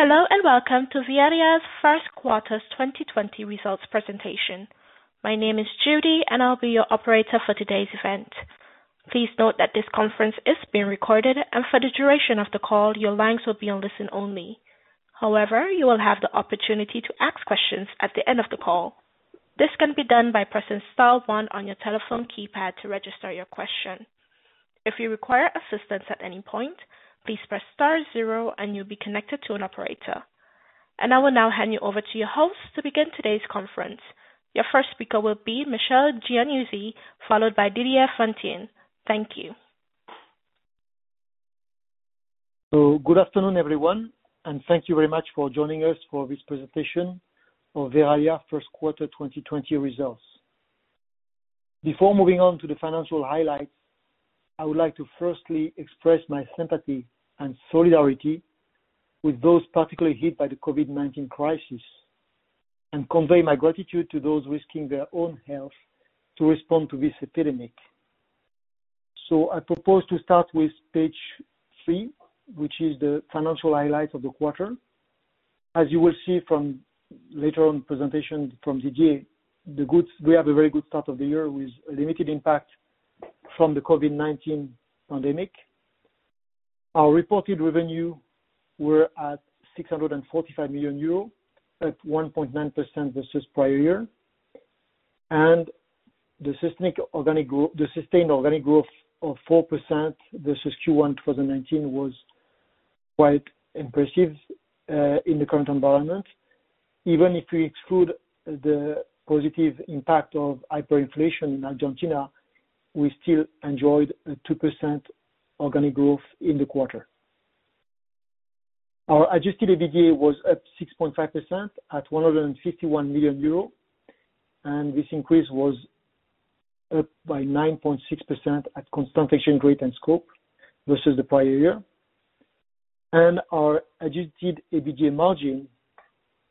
Hello, and welcome to Verallia's first quarter 2020 results presentation. My name is Judy, and I'll be your operator for today's event. Please note that this conference is being recorded, and for the duration of the call, your lines will be on listen only. However, you will have the opportunity to ask questions at the end of the call. This can be done by pressing star one on your telephone keypad to register your question. If you require assistance at any point, please press star zero and you'll be connected to an operator. I will now hand you over to your host to begin today's conference. Your first speaker will be Michel Giannuzzi, followed by Didier Fontaine. Thank you. Good afternoon, everyone, and thank you very much for joining us for this presentation of Verallia first quarter 2020 results. Before moving on to the financial highlights, I would like to firstly express my sympathy and solidarity with those particularly hit by the COVID-19 crisis, and convey my gratitude to those risking their own health to respond to this epidemic. I propose to start with page three, which is the financial highlights of the quarter. As you will see from later on presentation from Didier, we have a very good start of the year with a limited impact from the COVID-19 pandemic. Our reported revenue were at 645 million euro, at 1.9% versus prior year. The sustained organic growth of 4% versus Q1 2019 was quite impressive, in the current environment. Even if we exclude the positive impact of hyperinflation in Argentina, we still enjoyed a 2% organic growth in the quarter. Our adjusted EBITDA was up 6.5% at 151 million euro. This increase was up by 9.6% at constant exchange rate and scope versus the prior year. Our adjusted EBITDA margin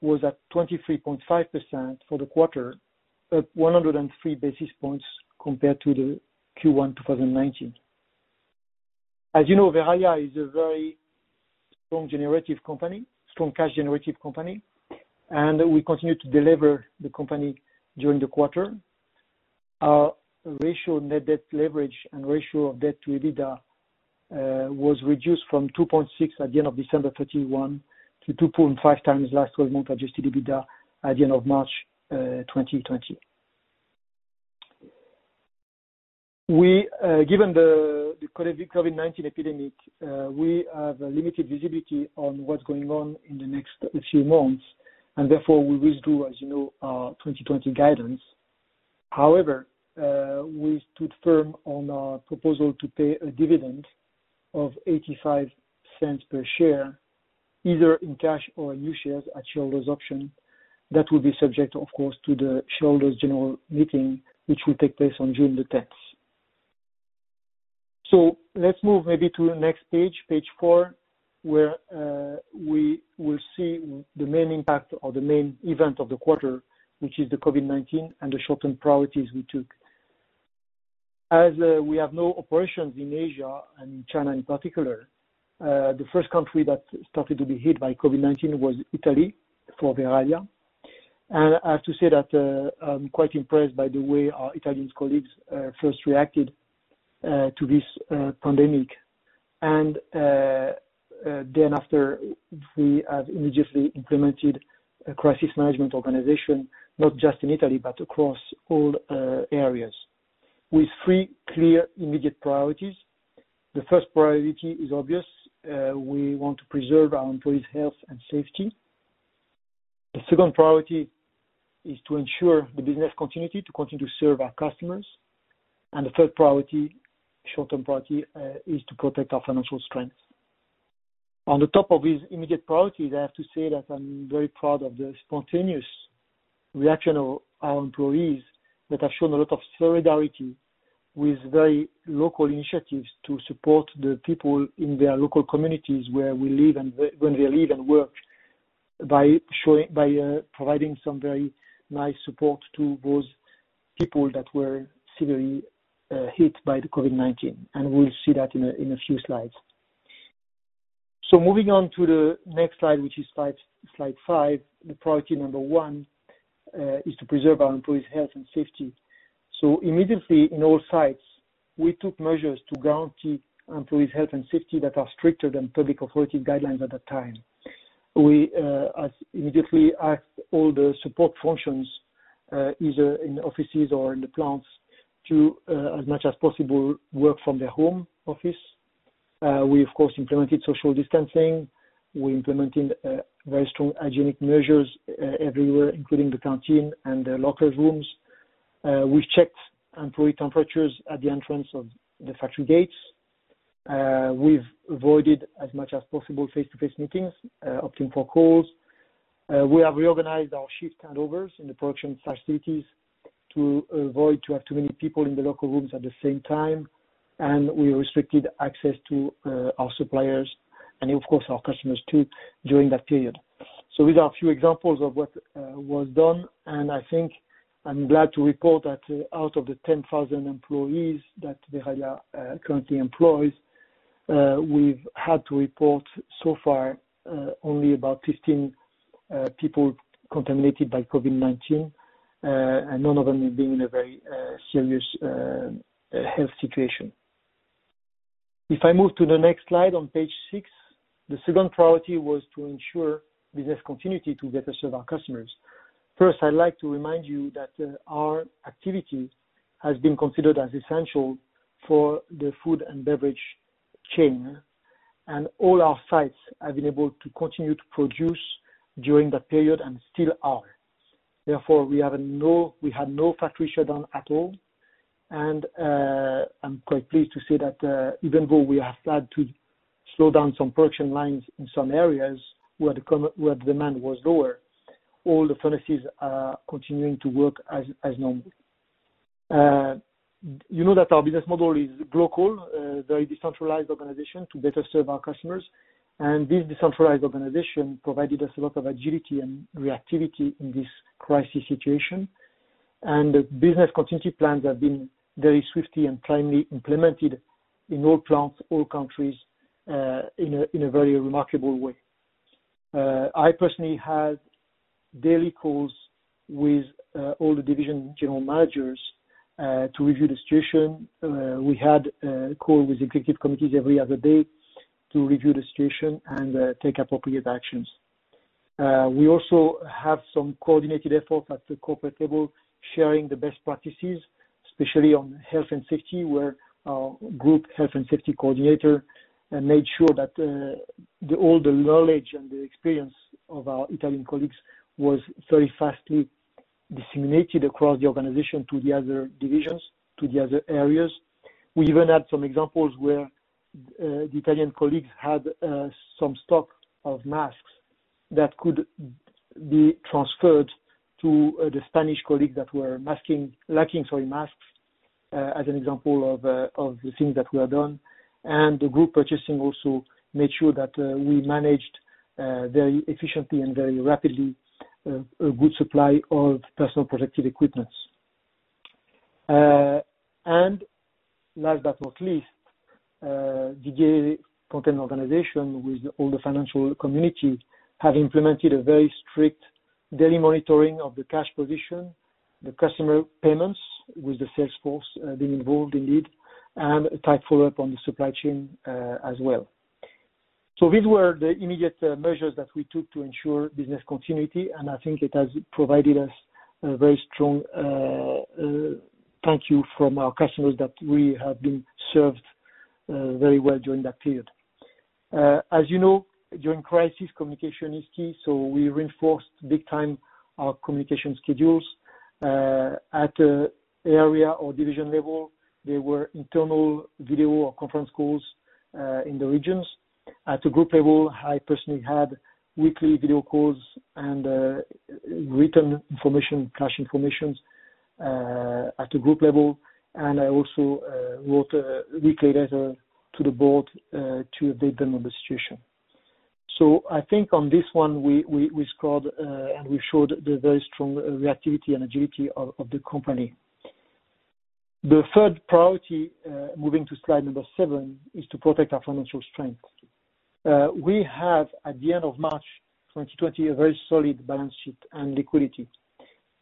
was at 23.5% for the quarter, up 103 basis points compared to the Q1 2019. As you know, Verallia is a very strong cash generative company, and we continue to deliver the company during the quarter. Our ratio net debt leverage and ratio of debt to EBITDA, was reduced from 2.6 at the end of December 31 to 2.5x last 12 months adjusted EBITDA at the end of March 2020. Given the COVID-19 epidemic, we have limited visibility on what's going on in the next few months, and therefore we withdrew, as you know, our 2020 guidance. However, we stood firm on our proposal to pay a dividend of 0.85 per share, either in cash or new shares at shareholders' option. That will be subject, of course, to the shareholders' general meeting, which will take place on June 10th. Let's move maybe to the next page four, where we will see the main impact or the main event of the quarter, which is the COVID-19 and the short-term priorities we took. As we have no operations in Asia and China in particular, the first country that started to be hit by COVID-19 was Italy for Verallia. I have to say that I'm quite impressed by the way our Italian colleagues first reacted to this pandemic. Thereafter, we have immediately implemented a crisis management organization, not just in Italy, but across all areas with three clear, immediate priorities. The first priority is obvious. We want to preserve our employees' health and safety. The second priority is to ensure the business continuity to continue to serve our customers. The third priority, short-term priority, is to protect our financial strength. On the top of these immediate priorities, I have to say that I'm very proud of the spontaneous reaction of our employees that have shown a lot of solidarity with very local initiatives to support the people in their local communities where they live and work by providing some very nice support to those people that were severely hit by the COVID-19. We'll see that in a few slides. Moving on to the next slide, which is slide five. The priority number one, is to preserve our employees' health and safety. Immediately in all sites, we took measures to guarantee employees' health and safety that are stricter than public authority guidelines at that time. We immediately asked all the support functions, either in the offices or in the plants, to, as much as possible, work from their home office. We, of course, implemented social distancing. We implemented very strong hygienic measures everywhere, including the canteen and the locker rooms. We've checked employee temperatures at the entrance of the factory gates. We've avoided, as much as possible, face-to-face meetings, opting for calls. We have reorganized our shift handovers in the production facilities to avoid to have too many people in the local rooms at the same time. We restricted access to our suppliers and, of course, our customers, too, during that period. These are a few examples of what was done, and I think I'm glad to report that out of the 10,000 employees that Verallia currently employs, we've had to report so far only about 15 people contaminated by COVID-19, and none of them have been in a very serious health situation. If I move to the next slide on page six, the second priority was to ensure business continuity to better serve our customers. First, I'd like to remind you that our activity has been considered as essential for the food and beverage chain, and all our sites have been able to continue to produce during that period and still are. Therefore, we had no factory shutdown at all. I'm quite pleased to say that, even though we have had to slow down some production lines in some areas where the demand was lower, all the furnaces are continuing to work as normal. You know that our business model is local, very decentralized organization to better serve our customers. This decentralized organization provided us a lot of agility and reactivity in this crisis situation. The business continuity plans have been very swiftly and timely implemented in all plants, all countries, in a very remarkable way. I personally had daily calls with all the division general managers to review the situation. We had a call with executive committees every other day to review the situation and take appropriate actions. We also have some coordinated effort at the corporate table, sharing the best practices, especially on health and safety, where our group health and safety coordinator, made sure that all the knowledge and the experience of our Italian colleagues was very fastly disseminated across the organization to the other divisions, to the other areas. We even had some examples where the Italian colleagues had some stock of masks that could be transferred to the Spanish colleagues that were lacking masks, as an example of the things that were done. The group purchasing also made sure that we managed very efficiently and very rapidly, a good supply of personal protective equipment. Last but not least, Didier Fontaine's organization with all the financial community, have implemented a very strict daily monitoring of the cash position, the customer payments, with the sales force being involved indeed, and a tight follow-up on the supply chain as well. These were the immediate measures that we took to ensure business continuity, and I think it has provided us a very strong thank you from our customers that we have been served very well during that period. As you know, during crisis, communication is key, we reinforced big time our communication schedules. At area or division level, there were internal video or conference calls in the regions. At the group level, I personally had weekly video calls and written information, cash information, at the group level. I also wrote a weekly letter to the board, to update them on the situation. I think on this one, we scored and we showed the very strong reactivity and agility of the company. The third priority, moving to slide number seven, is to protect our financial strength. We have, at the end of March 2020, a very solid balance sheet and liquidity.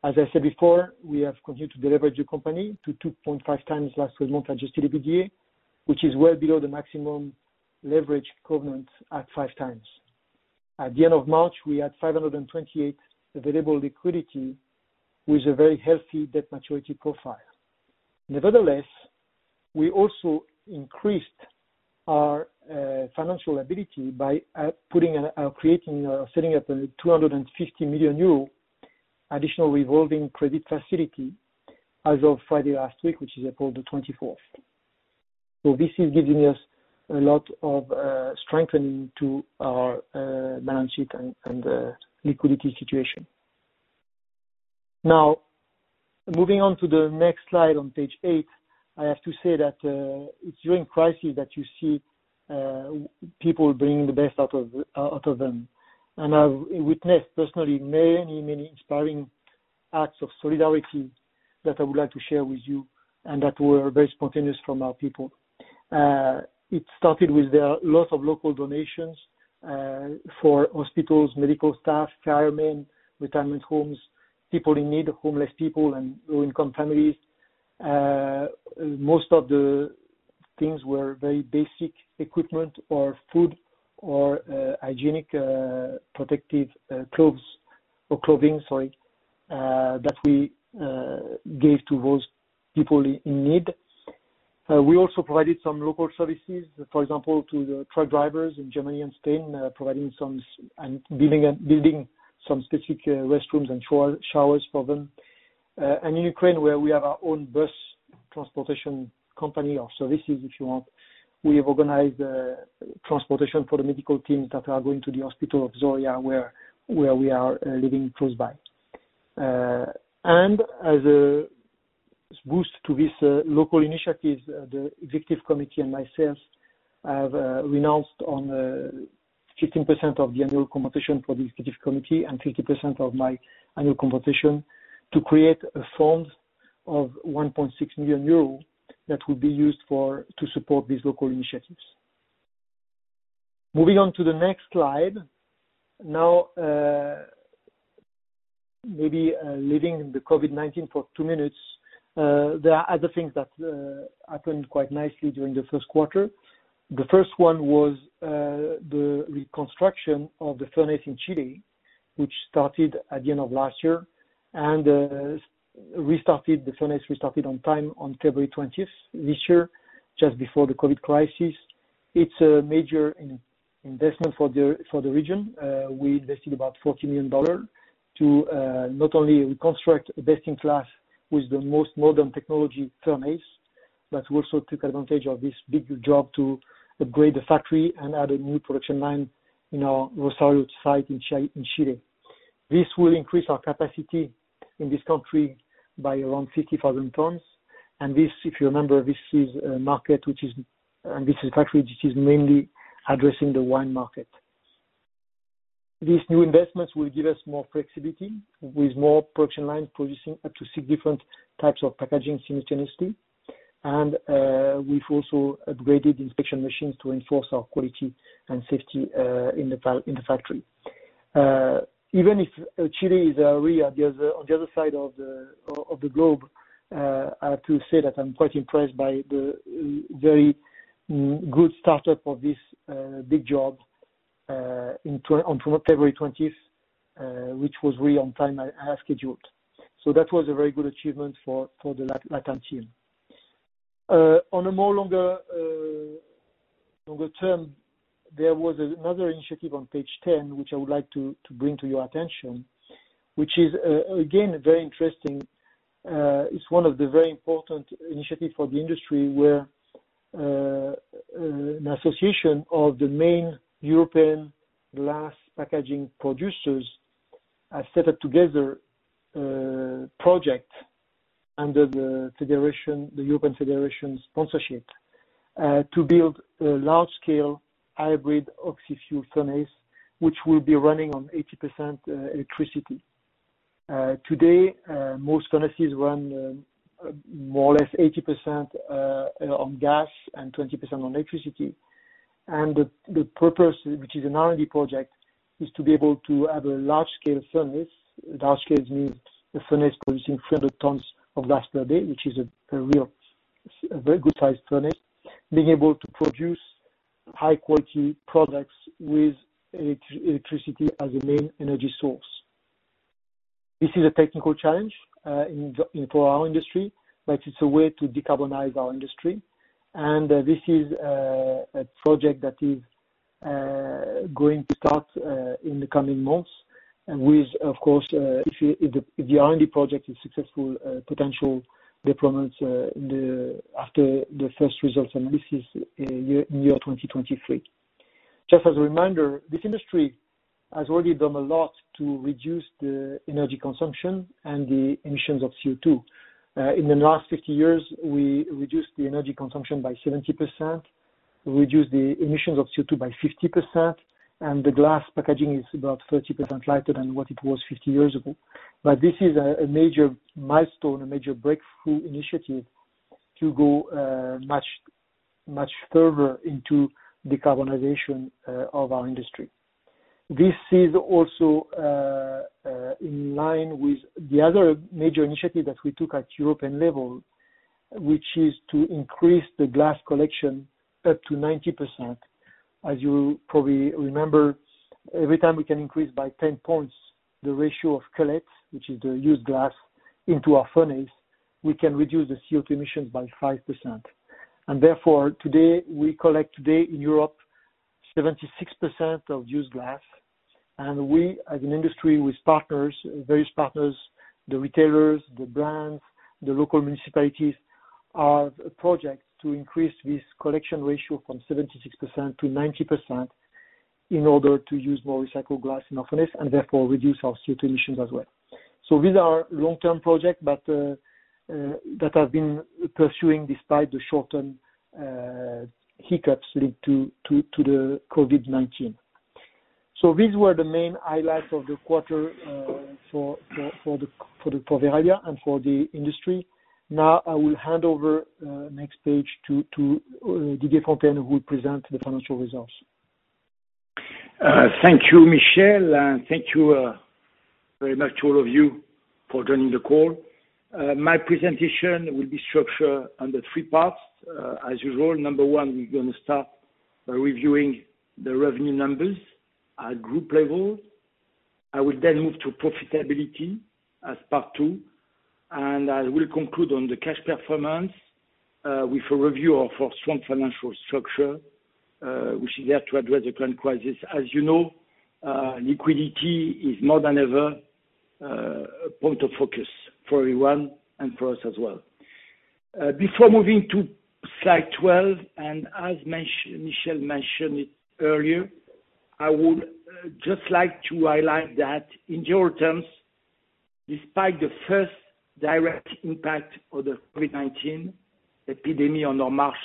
As I said before, we have continued to deleverage the company to 2.5xlast 12 months adjusted EBITDA, which is well below the maximum leverage covenant at 5x. At the end of March, we had 528 million available liquidity with a very healthy debt maturity profile. We also increased our financial ability by setting up a 250 million euro additional Revolving Credit Facility as of Friday last week, which is April 24th. This is giving us a lot of strengthening to our balance sheet and liquidity situation. Moving on to the next slide on page eight, I have to say that it's during crisis that you see people bringing the best out of them. I've witnessed personally many inspiring acts of solidarity that I would like to share with you and that were very spontaneous from our people. It started with the lots of local donations for hospitals, medical staff, firemen, retirement homes, people in need, homeless people, and low-income families. Most of the things were very basic equipment or food or hygienic protective clothes or clothing, sorry, that we gave to those people in need. We also provided some local services, for example, to the truck drivers in Germany and Spain, providing some and building some specific restrooms and showers for them. In Ukraine, where we have our own bus transportation company or services, if you want, we have organized transportation for the medical teams that are going to the hospital of Zorya where we are living close by. As a boost to these local initiatives, the executive committee and myself have renounced on 15% of the annual compensation for the executive committee and 50% of my annual compensation to create a fund of 1.6 million euros that will be used to support these local initiatives. Moving on to the next slide. Maybe leaving the COVID-19 for two minutes, there are other things that happened quite nicely during the first quarter. The first one was the reconstruction of the furnace in Chile, which started at the end of last year and the furnace restarted on time on February 20th this year, just before the COVID crisis. It's a major investment for the region. We invested about $40 million to not only reconstruct a best-in-class with the most modern technology furnace, but we also took advantage of this big job to upgrade the factory and add a new production line in our Rosario site in Chile. This will increase our capacity in this country by around 50,000 tons. This, if you remember, this is a factory which is mainly addressing the wine market. These new investments will give us more flexibility with more production lines producing up to six different types of packaging simultaneously. We've also upgraded inspection machines to enforce our quality and safety in the factory. Even if Chile is really on the other side of the globe, I have to say that I'm quite impressed by the very good startup of this big job on February 20th, which was really on time as scheduled. That was a very good achievement for the LatAm team. On a more longer term, there was another initiative on page 10, which I would like to bring to your attention, which is, again, very interesting. It's one of the very important initiatives for the industry where an association of the main European glass packaging producers have set up together a project under the European Federation sponsorship to build a large-scale hybrid oxy-fuel furnace, which will be running on 80% electricity. Today, most furnaces run more or less 80% on gas and 20% on electricity. The purpose, which is an R&D project, is to be able to have a large-scale furnace. Large-scale means a furnace producing 300 tons of glass per day, which is a very good size furnace. Being able to produce high-quality products with electricity as a main energy source. This is a technical challenge for our industry, but it's a way to decarbonize our industry. This is a project that is going to start in the coming months with, of course, if the R&D project is successful, potential deployment after the first results, and this is in year 2023. Just as a reminder, this industry has already done a lot to reduce the energy consumption and the emissions of CO₂. In the last 50 years, we reduced the energy consumption by 70%, reduced the emissions of CO₂ by 50%, and the glass packaging is about 30% lighter than what it was 50 years ago. This is a major milestone, a major breakthrough initiative to go much further into decarbonization of our industry. This is also in line with the other major initiative that we took at European level, which is to increase the glass collection up to 90%. As you probably remember, every time we can increase by 10 points the ratio of cullet, which is the used glass, into our furnace, we can reduce the CO₂ emissions by 5%. Therefore, today, we collect in Europe 66% of used glass, and we, as an industry with partners, various partners, the retailers, the brands, the local municipalities, have a project to increase this collection ratio from 66% to 90% in order to use more recycled glass in our furnace and therefore reduce our CO₂ emissions as well. These are long-term projects that have been pursuing despite the short-term hiccups linked to the COVID-19. These were the main highlights of the quarter for Verallia and for the industry. I will hand over next page to Didier Fontaine, who will present the financial results. Thank you, Michel, thank you very much to all of you for joining the call. My presentation will be structured under three parts. As usual, number one, we're going to start by reviewing the revenue numbers at group level. I will then move to profitability as part two, and I will conclude on the cash performance with a review of our strong financial structure, which is there to address the current crisis. As you know, liquidity is more than ever a point of focus for everyone and for us as well. Before moving to slide 12, and as Michel mentioned it earlier, I would just like to highlight that in general terms, despite the first direct impact of the COVID-19 epidemic on our March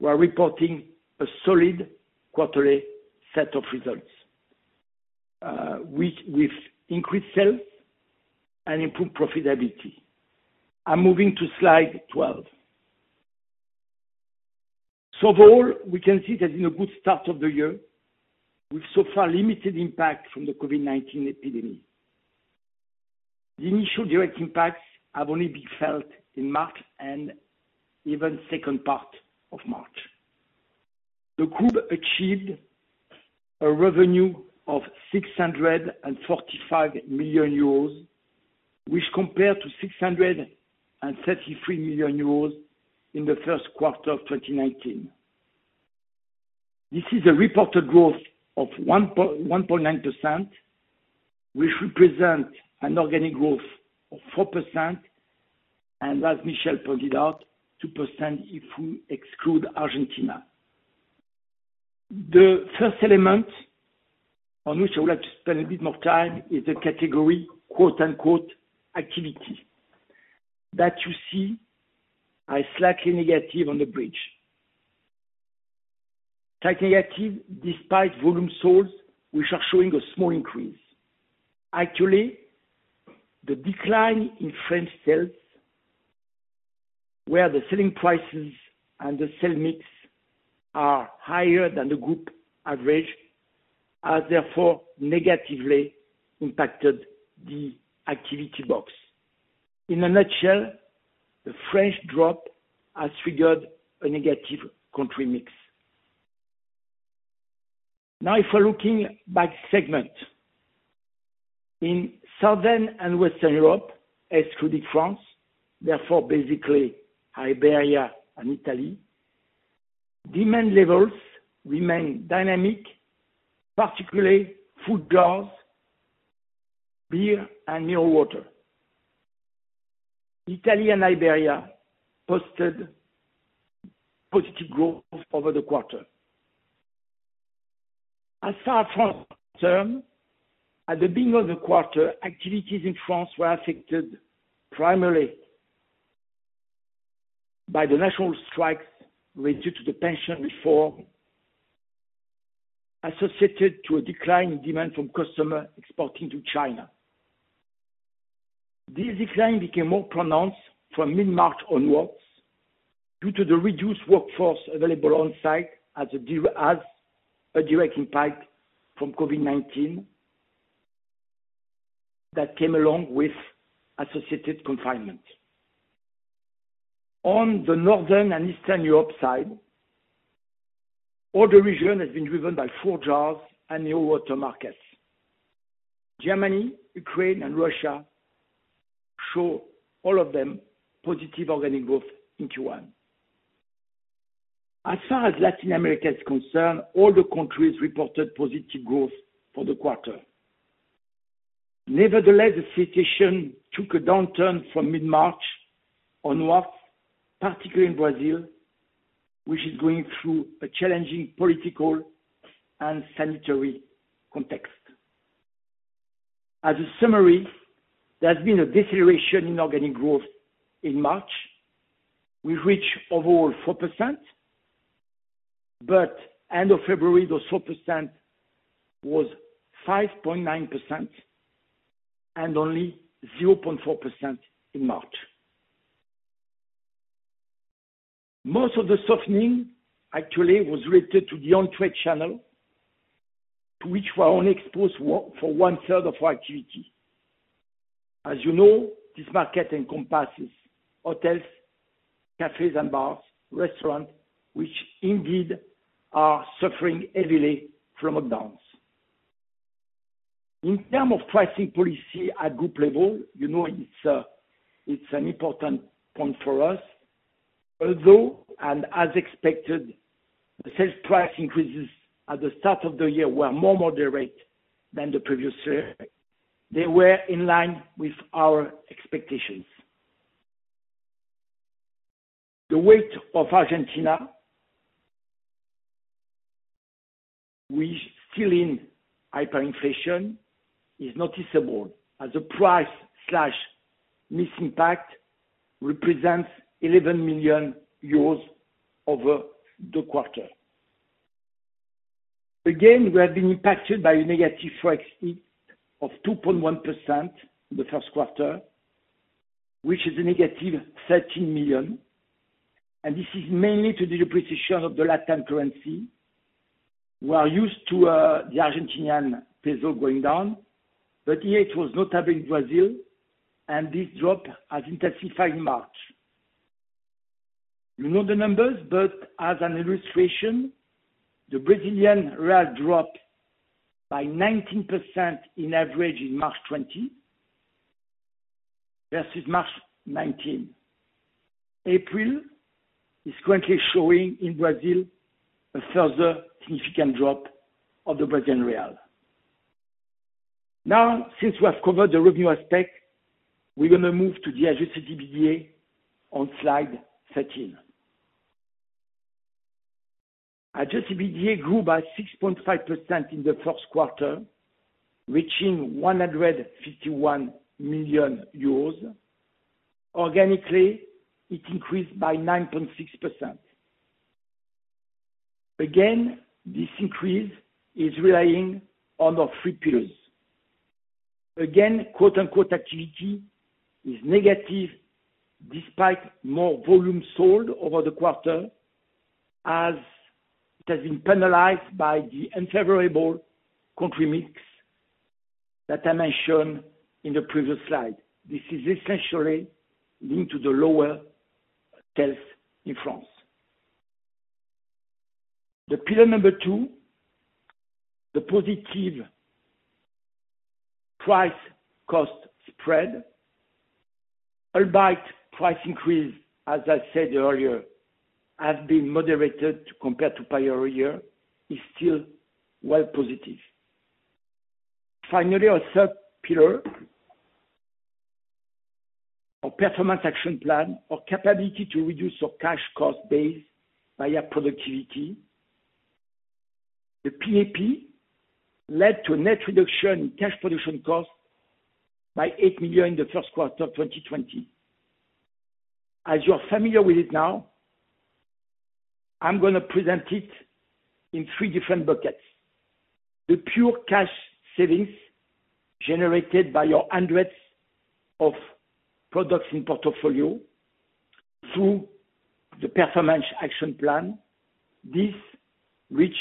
sales, we're reporting a solid quarterly set of results, with increased sales and improved profitability. I'm moving to slide 12. Overall, we can see that in a good start of the year, with so far limited impact from the COVID-19 epidemic. The initial direct impacts have only been felt in March and even second part of March. The group achieved a revenue of 645 million euros, which compare to 633 million euros in the first quarter of 2019. This is a reported growth of 1.9%, which represent an organic growth of 4%, and as Michel pointed out, 2% if we exclude Argentina. The first element on which I would like to spend a bit more time is the category, "activity" that you see are slightly negative on the bridge. Slightly negative despite volume sold, which are showing a small increase. Actually, the decline in French sales, where the selling prices and the sell mix are higher than the group average, has therefore negatively impacted the activity box. In a nutshell, the French drop has triggered a negative country mix. If we're looking by segment. In Southern and Western Europe, excluding France, therefore basically Iberia and Italy, demand levels remain dynamic, particularly food goods, beer and water. Italy and Iberia posted positive growth over the quarter. As far as France is concerned, at the beginning of the quarter, activities in France were affected primarily by the national strikes related to the pension reform, associated to a decline in demand from customer exporting to China. This decline became more pronounced from mid-March onwards due to the reduced workforce available on site as a direct impact from COVID-19 that came along with associated confinement. On the Northern and Eastern Europe side, all the region has been driven by food goods and new water markets. Germany, Ukraine, and Russia show all of them positive organic growth in Q1. As far as Latin America is concerned, all the countries reported positive growth for the quarter. Nevertheless, the situation took a downturn from mid-March onwards, particularly in Brazil, which is going through a challenging political and sanitary context. As a summary, there has been a deceleration in organic growth in March. We reach overall 4%, but end of February, the 4% was 5.9% and only 0.4% in March. Most of the softening actually was related to the on-trade channel, to which we are only exposed for one-third of our activity. As you know, this market encompasses hotels, cafes and bars, restaurants, which indeed are suffering heavily from lockdowns. In terms of pricing policy at group level, you know it's an important point for us. Although and as expected, the sales price increases at the start of the year were more moderate than the previous year. They were in line with our expectations. The weight of Argentina, which still in hyperinflation, is noticeable as the price/mix impact represents 11 million euros over the quarter. Again, we have been impacted by a negative ForEx hit of 2.1% in the first quarter, which is a negative 13 million, and this is mainly to the depreciation of the LatAm currency. We are used to the Argentinian peso going down, but here it was notably Brazil, and this drop has intensified in March. You know the numbers, but as an illustration, the Brazilian real dropped by 19% in average in March 2020 versus March 2019. April is currently showing in Brazil a further significant drop of the Brazilian real. Now, since we have covered the revenue aspect, we're going to move to the adjusted EBITDA on slide 13. Adjusted EBITDA grew by 6.5% in the first quarter, reaching EUR 151 million. Organically, it increased by 9.6%. Again, this increase is relying on our three pillars. Again, "activity" is negative despite more volume sold over the quarter, as it has been penalized by the unfavorable country mix that I mentioned in the previous slide. This is essentially linked to the lower sales in France. The pillar number two, the positive price cost spread, albeit price increase, as I said earlier, has been moderated compared to prior year, is still well positive. Finally, our third pillar, our Performance Action Plan, our capability to reduce our cash cost base via productivity. The PAP led to a net reduction in cash production cost by 8 million in the first quarter of 2020. As you are familiar with it now, I'm going to present it in three different buckets. The pure cash savings generated by your hundreds of products in portfolio through the Performance Action Plan. This reach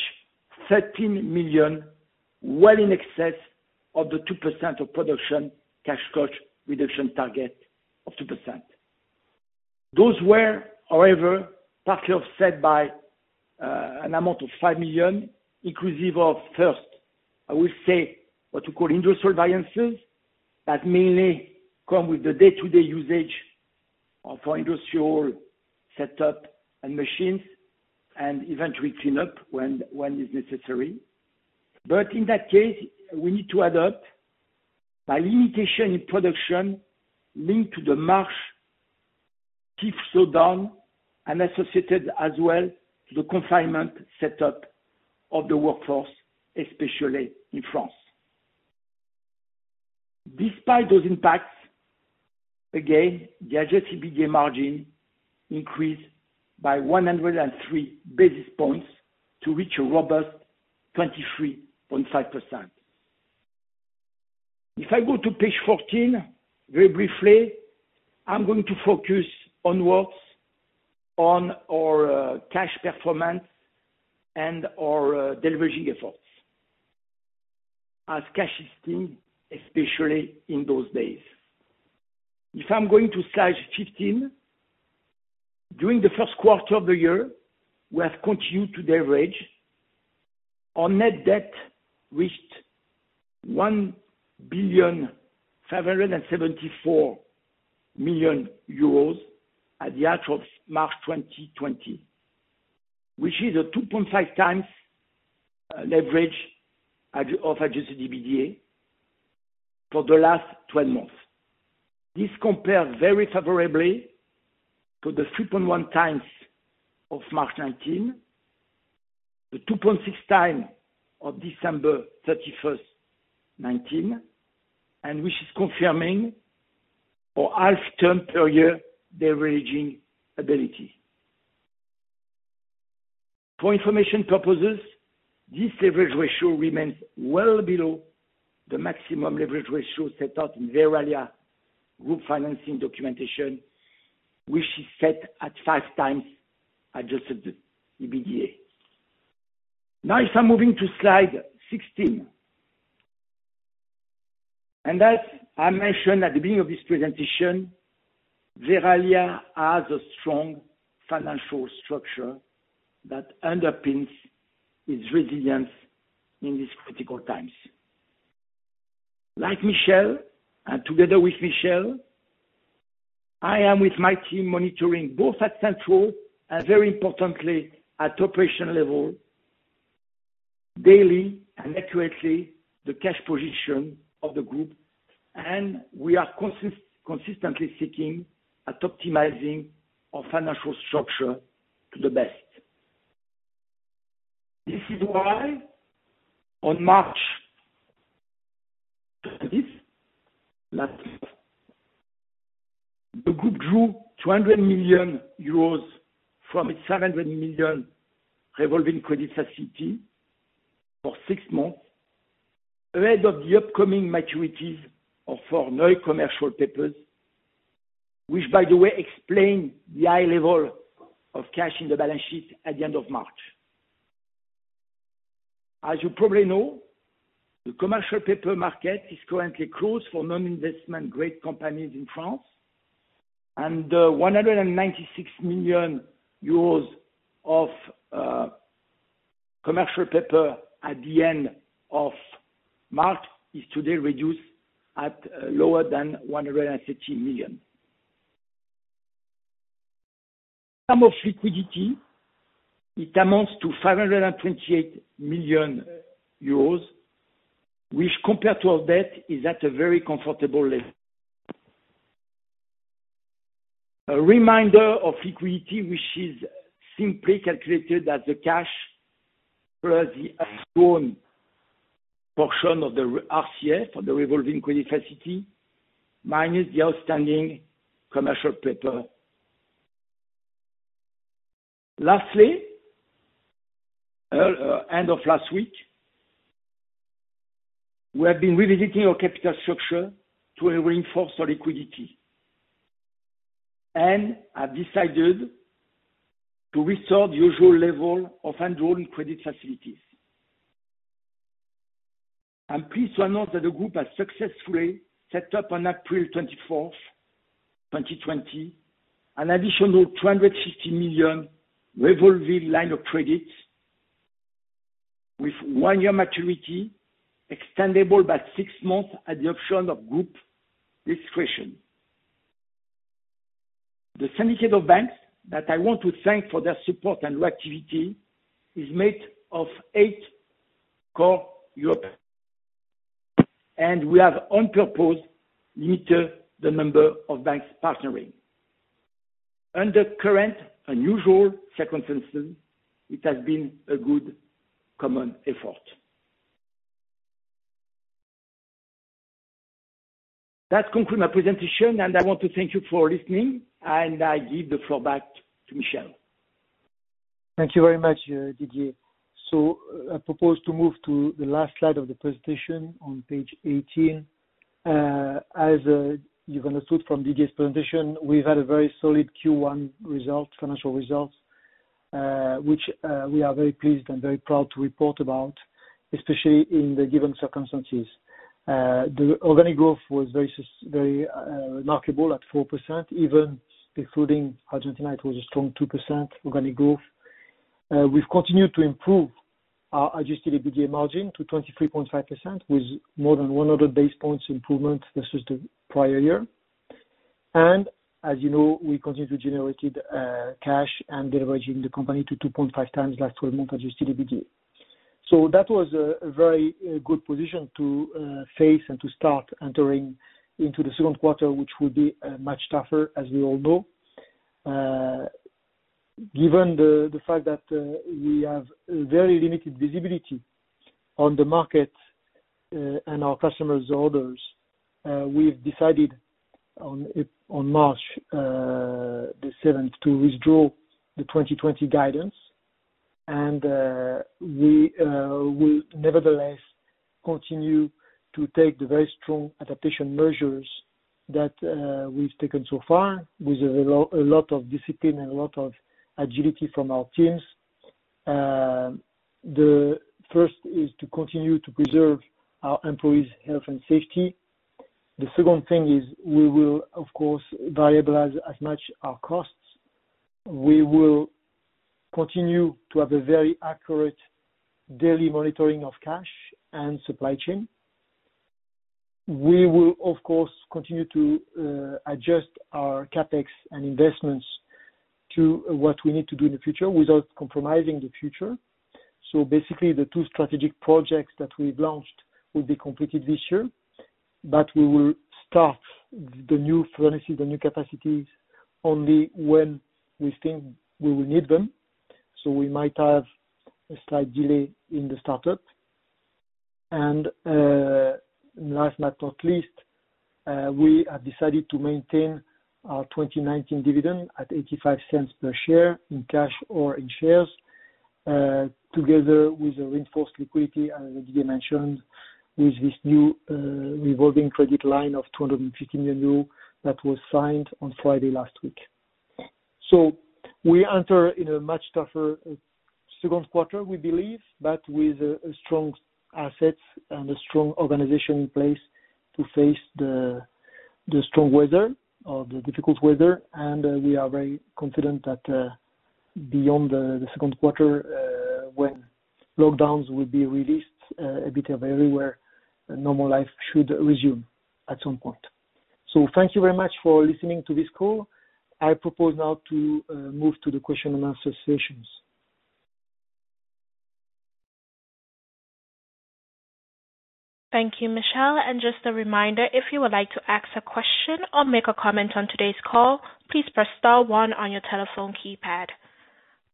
13 million, well in excess of the 2% of production cash cost reduction target of 2%. Those were, however, partly offset by an amount of 5 million inclusive of first, I will say what you call industrial variances, that mainly come with the day-to-day usage of our industrial setup and machines, and eventually clean up when is necessary. In that case, we need to adapt by limitation in production linked to the March steep slowdown and associated as well to the confinement setup of the workforce, especially in France. Despite those impacts, again, the adjusted EBITDA margin increased by 103 basis points to reach a robust 23.5%. If I go to page 14, very briefly, I'm going to focus onwards on our cash performance and our de-leveraging efforts as cash is king, especially in those days. If I'm going to slide 15, during the first quarter of the year, we have continued to de-leverage. Our net debt reached EUR 1,774,000,000 at the end of March 2020, which is a 2.5x leverage of adjusted EBITDA for the last 12 months. This compares very favorably to the 3.1x of March 2019, the 2.6x of December 31st, 2019, which is confirming our half-term per year de-leveraging ability. For information purposes, this leverage ratio remains well below the maximum leverage ratio set out in Verallia group financing documentation, which is set at 5x adjusted EBITDA. Now, if I'm moving to slide 16, as I mentioned at the beginning of this presentation, Verallia has a strong financial structure that underpins its resilience in these critical times. Like Michel, together with Michel, I am with my team monitoring both at central and very importantly at operational level, daily and accurately, the cash position of the group. We are consistently seeking at optimizing our financial structure to the best. This is why on March 30th, last month, the group drew 200 million euros from its 700 million revolving credit facility for six months ahead of the upcoming maturities of four new commercial papers, which, by the way, explain the high level of cash in the balance sheet at the end of March. As you probably know, the commercial paper market is currently closed for non-investment grade companies in France. EUR 196 million of commercial paper at the end of March is today reduced at lower than EUR 150 million. Sum of liquidity, it amounts to 528 million euros, which compared to our debt, is at a very comfortable level. A reminder of liquidity, which is simply calculated as the cash plus the drawn portion of the RCF, for the revolving credit facility, minus the outstanding commercial paper. End of last week, we have been revisiting our capital structure to reinforce our liquidity, and have decided to restore the usual level of undrawn credit facilities. I'm pleased to announce that the group has successfully set up on April 24th, 2020, an additional 250 million revolving line of credits with one-year maturity, extendable by six months at the option of group discretion. The syndicate of banks that I want to thank for their support and reactivity is made of eight core Europeans, and we have on purpose limited the number of banks partnering. Under current unusual circumstances, it has been a good common effort. That concludes my presentation, and I want to thank you for listening, and I give the floor back to Michel. Thank you very much, Didier. I propose to move to the last slide of the presentation on page 18. As you've understood from Didier's presentation, we've had a very solid Q1 financial results, which we are very pleased and very proud to report about, especially in the given circumstances. The organic growth was very remarkable at 4%, even excluding Argentina, it was a strong 2% organic growth. We've continued to improve our adjusted EBITDA margin to 23.5%, with more than 100 basis points improvement versus the prior year. As you know, we continue to generate cash and deleveraging the company to 2.5x last 12 months adjusted EBITDA. That was a very good position to face and to start entering into the second quarter, which will be much tougher, as we all know. Given the fact that we have very limited visibility on the market and our customers' orders, we've decided on March 7th to withdraw the 2020 guidance. We will nevertheless continue to take the very strong adaptation measures that we've taken so far, with a lot of discipline and a lot of agility from our teams. The first is to continue to preserve our employees' health and safety. The second thing is we will, of course, variabilize as much our costs. We will continue to have a very accurate daily monitoring of cash and supply chain. We will, of course, continue to adjust our CapEx and investments to what we need to do in the future without compromising the future. Basically, the two strategic projects that we've launched will be completed this year, but we will start the new furnaces, the new capacities, only when we think we will need them. We might have a slight delay in the startup. Last but not least, we have decided to maintain our 2019 dividend at 0.85 per share in cash or in shares, together with the reinforced liquidity, as Didier mentioned, with this new revolving credit line of 250 million euros that was signed on Friday last week. We enter in a much tougher second quarter, we believe, but with strong assets and a strong organization in place to face the strong weather or the difficult weather. We are very confident that beyond the second quarter, when lockdowns will be released a bit everywhere, normal life should resume at some point. Thank you very much for listening to this call. I propose now to move to the Q&A sessions. Thank you, Michel. Just a reminder, if you would like to ask a question or make a comment on today's call, please press star one on your telephone keypad.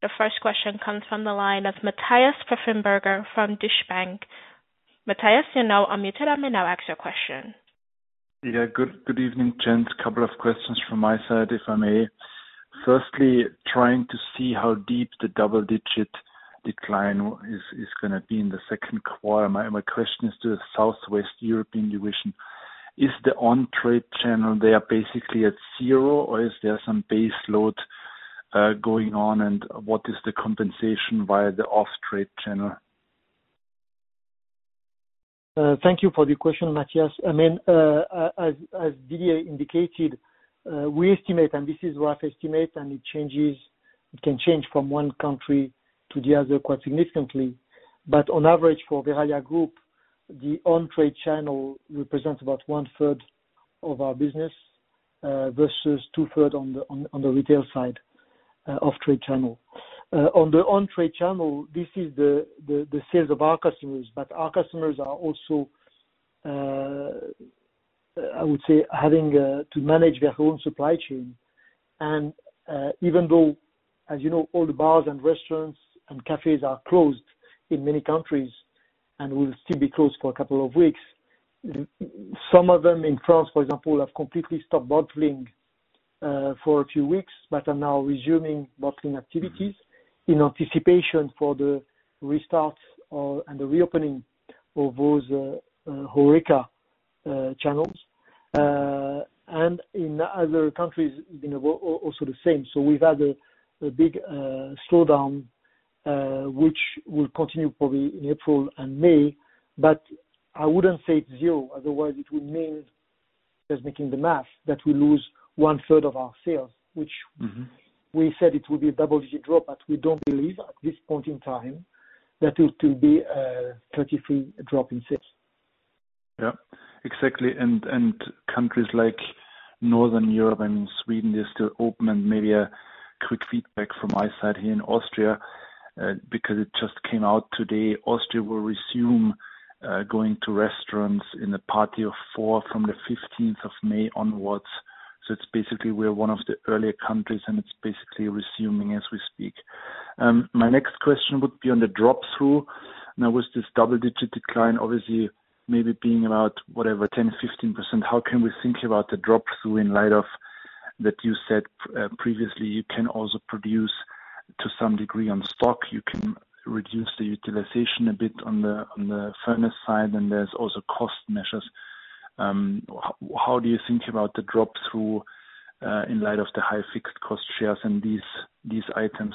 The first question comes from the line of Matthias Pfeifenberger from Deutsche Bank. Matthias, you are now unmuted. You may now ask your question. Good evening, gents. Couple of questions from my side, if I may. Firstly, trying to see how deep the double-digit decline is going to be in the second quarter. My question is to the Southwest European division. Is the on-trade channel there basically at zero, or is there some base load going on, and what is the compensation via the off-trade channel? Thank you for the question, Matthias. As Didier indicated, we estimate, and this is a rough estimate, and it can change from one country to the other quite significantly. But on average, for Verallia Group, the on-trade channel represents about one-third of our business, versus two-third on the retail side off-trade channel. On the on-trade channel, this is the sales of our customers, but our customers are also, I would say, having to manage their own supply chain. Even though, as you know, all the bars and restaurants and cafes are closed in many countries and will still be closed for a couple of weeks. Some of them in France, for example, have completely stopped bottling for a few weeks, but are now resuming bottling activities in anticipation for the restart and the reopening of those HoReCa channels. In other countries, also the same. We've had a big slowdown, which will continue probably in April and May. I wouldn't say it's zero, otherwise it would mean, just making the math, that we lose one third of our sales. we said it will be a double-digit drop, but we don't believe at this point in time that it will be a 33 drop in sales. Yeah. Exactly. Countries like Northern Europe and Sweden, they're still open and maybe a quick feedback from my side here in Austria, because it just came out today, Austria will resume going to restaurants in a party of four from the 15th of May onwards. It's basically we're one of the earlier countries, and it's basically resuming as we speak. My next question would be on the drop-through. Now with this double-digit decline, obviously maybe being about whatever, 10%-15%, how can we think about the drop-through in light of that you said previously you can also produce to some degree on stock, you can reduce the utilization a bit on the furnace side, and there's also cost measures. How do you think about the drop-through in light of the high fixed cost shares and these items?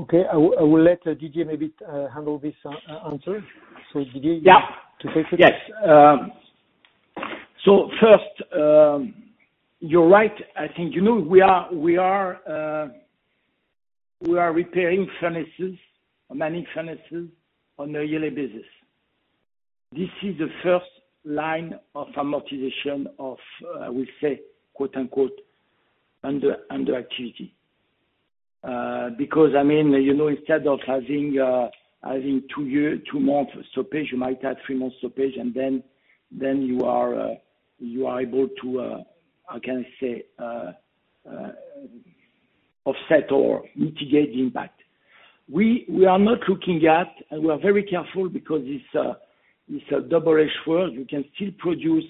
Okay. I will let Didier maybe handle this answer. Didier- Yeah to take it? Yes. First, you're right. I think you know we are repairing furnaces, manning furnaces on a yearly basis. This is the first line of amortization of, we say, quote unquote, under activity. Instead of having two months stoppage, you might have three months stoppage, then you are able to offset or mitigate the impact. We are not looking at, we are very careful because this a double-edged sword. You can still produce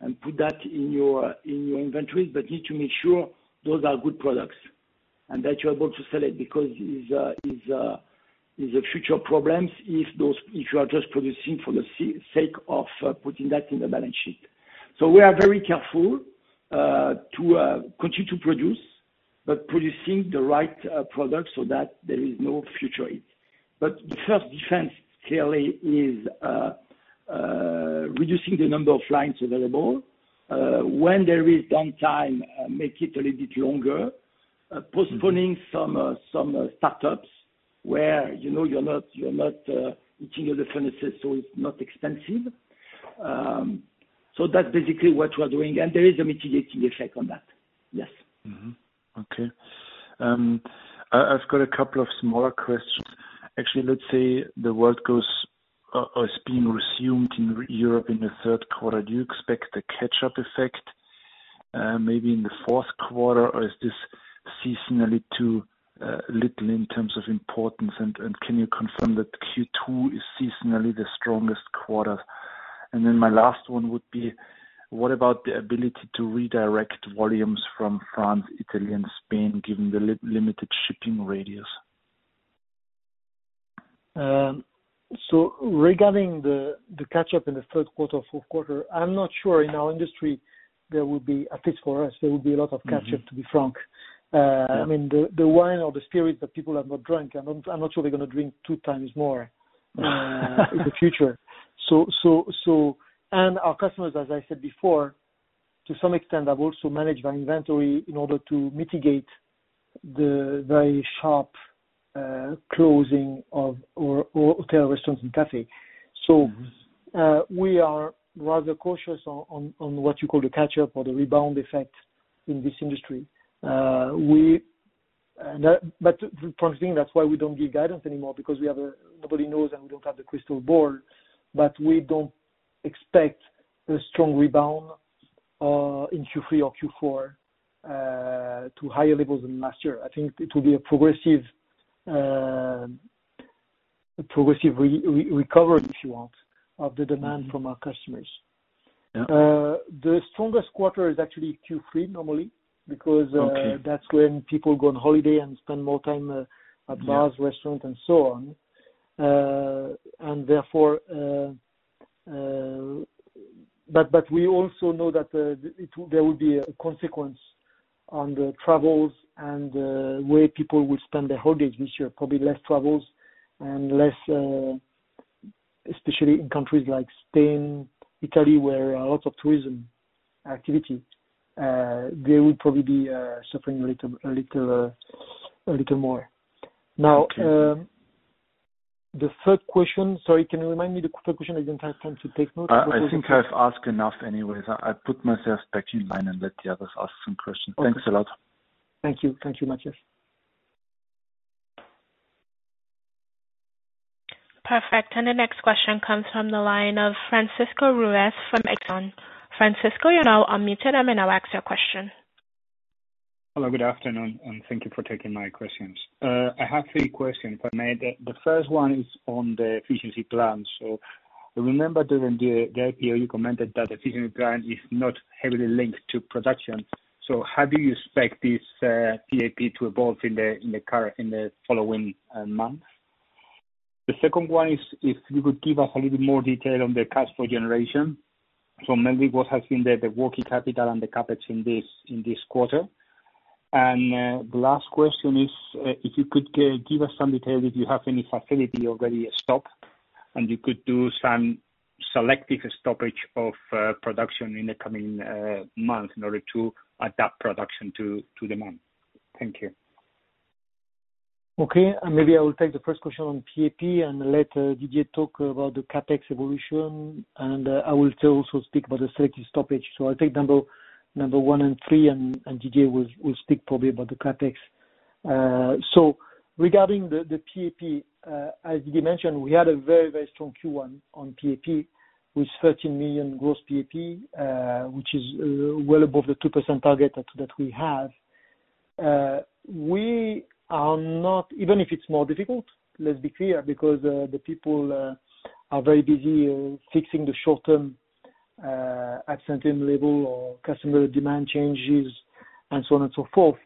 and put that in your inventories, need to make sure those are good products and that you're able to sell it because it's a future problem if you are just producing for the sake of putting that in the balance sheet. We are very careful to continue to produce, producing the right product so that there is no future aid. The first defense clearly is reducing the number of lines available. When there is downtime, make it a little bit longer, postponing some startups where you're not heating the furnaces, so it's not expensive. That's basically what we're doing, and there is a mitigating effect on that. Yes. Okay. I have got a couple of smaller questions. Actually, let's say the work has been resumed in Europe in the third quarter. Do you expect a catch-up effect maybe in the fourth quarter, or is this seasonally too little in terms of importance, and can you confirm that Q2 is seasonally the strongest quarter? My last one would be, what about the ability to redirect volumes from France, Italy, and Spain, given the limited shipping radius? Regarding the catch-up in the third quarter, fourth quarter, I'm not sure in our industry there will be, at least for us, there will be a lot of catch-up to be frank. Yeah. The wine or the spirits that people have not drunk, I'm not sure they're going to drink two times more in the future. Our customers, as I said before, to some extent, have also managed their inventory in order to mitigate the very sharp closing of all hotel, restaurants, and cafe. We are rather cautious on what you call the catch-up or the rebound effect in this industry. Frankly, that's why we don't give guidance anymore, because nobody knows and we don't have the crystal ball. We don't expect a strong rebound in Q3 or Q4 to higher levels than last year. I think it will be a progressive recovery, if you want, of the demand from our customers. Yeah. The strongest quarter is actually Q3 normally. Okay that's when people go on holiday and spend more time at bars, restaurant and so on. We also know that there will be a consequence on the travels and the way people will spend their holidays this year, probably less travels and less, especially in countries like Spain, Italy, where a lot of tourism activity, they will probably be suffering a little more. Okay The third question, sorry, can you remind me the third question? I didn't have time to take notes. I think I've asked enough anyways. I put myself back in line and let the others ask some questions. Thanks a lot. Okay. Thank you. Thank you much, yes. Perfect. The next question comes from the line of Francisco Ruiz from Exane. Francisco, you are now unmuted. You may now ask your question. Hello, good afternoon, and thank you for taking my questions. I have three questions. The first one is on the efficiency plan. Remember during the IPO, you commented that the efficiency plan is not heavily linked to production. How do you expect this PAP to evolve in the following months? The second one is, if you could give us a little more detail on the cash flow generation. Mainly what has been the working capital and the CapEx in this quarter. The last question is, if you could give us some detail if you have any facility already stopped, and you could do some selective stoppage of production in the coming months in order to adapt production to demand. Thank you. Okay. Maybe I will take the first question on PAP and let Didier talk about the CapEx evolution, and I will also speak about the selective stoppage. I'll take number one and three, and Didier will speak probably about the CapEx. Regarding the PAP, as Didier mentioned, we had a very strong Q1 on PAP with 13 million gross PAP, which is well above the 2% target that we have. Even if it's more difficult, let's be clear, because the people are very busy fixing the short-term absence level or customer demand changes and so on and so forth.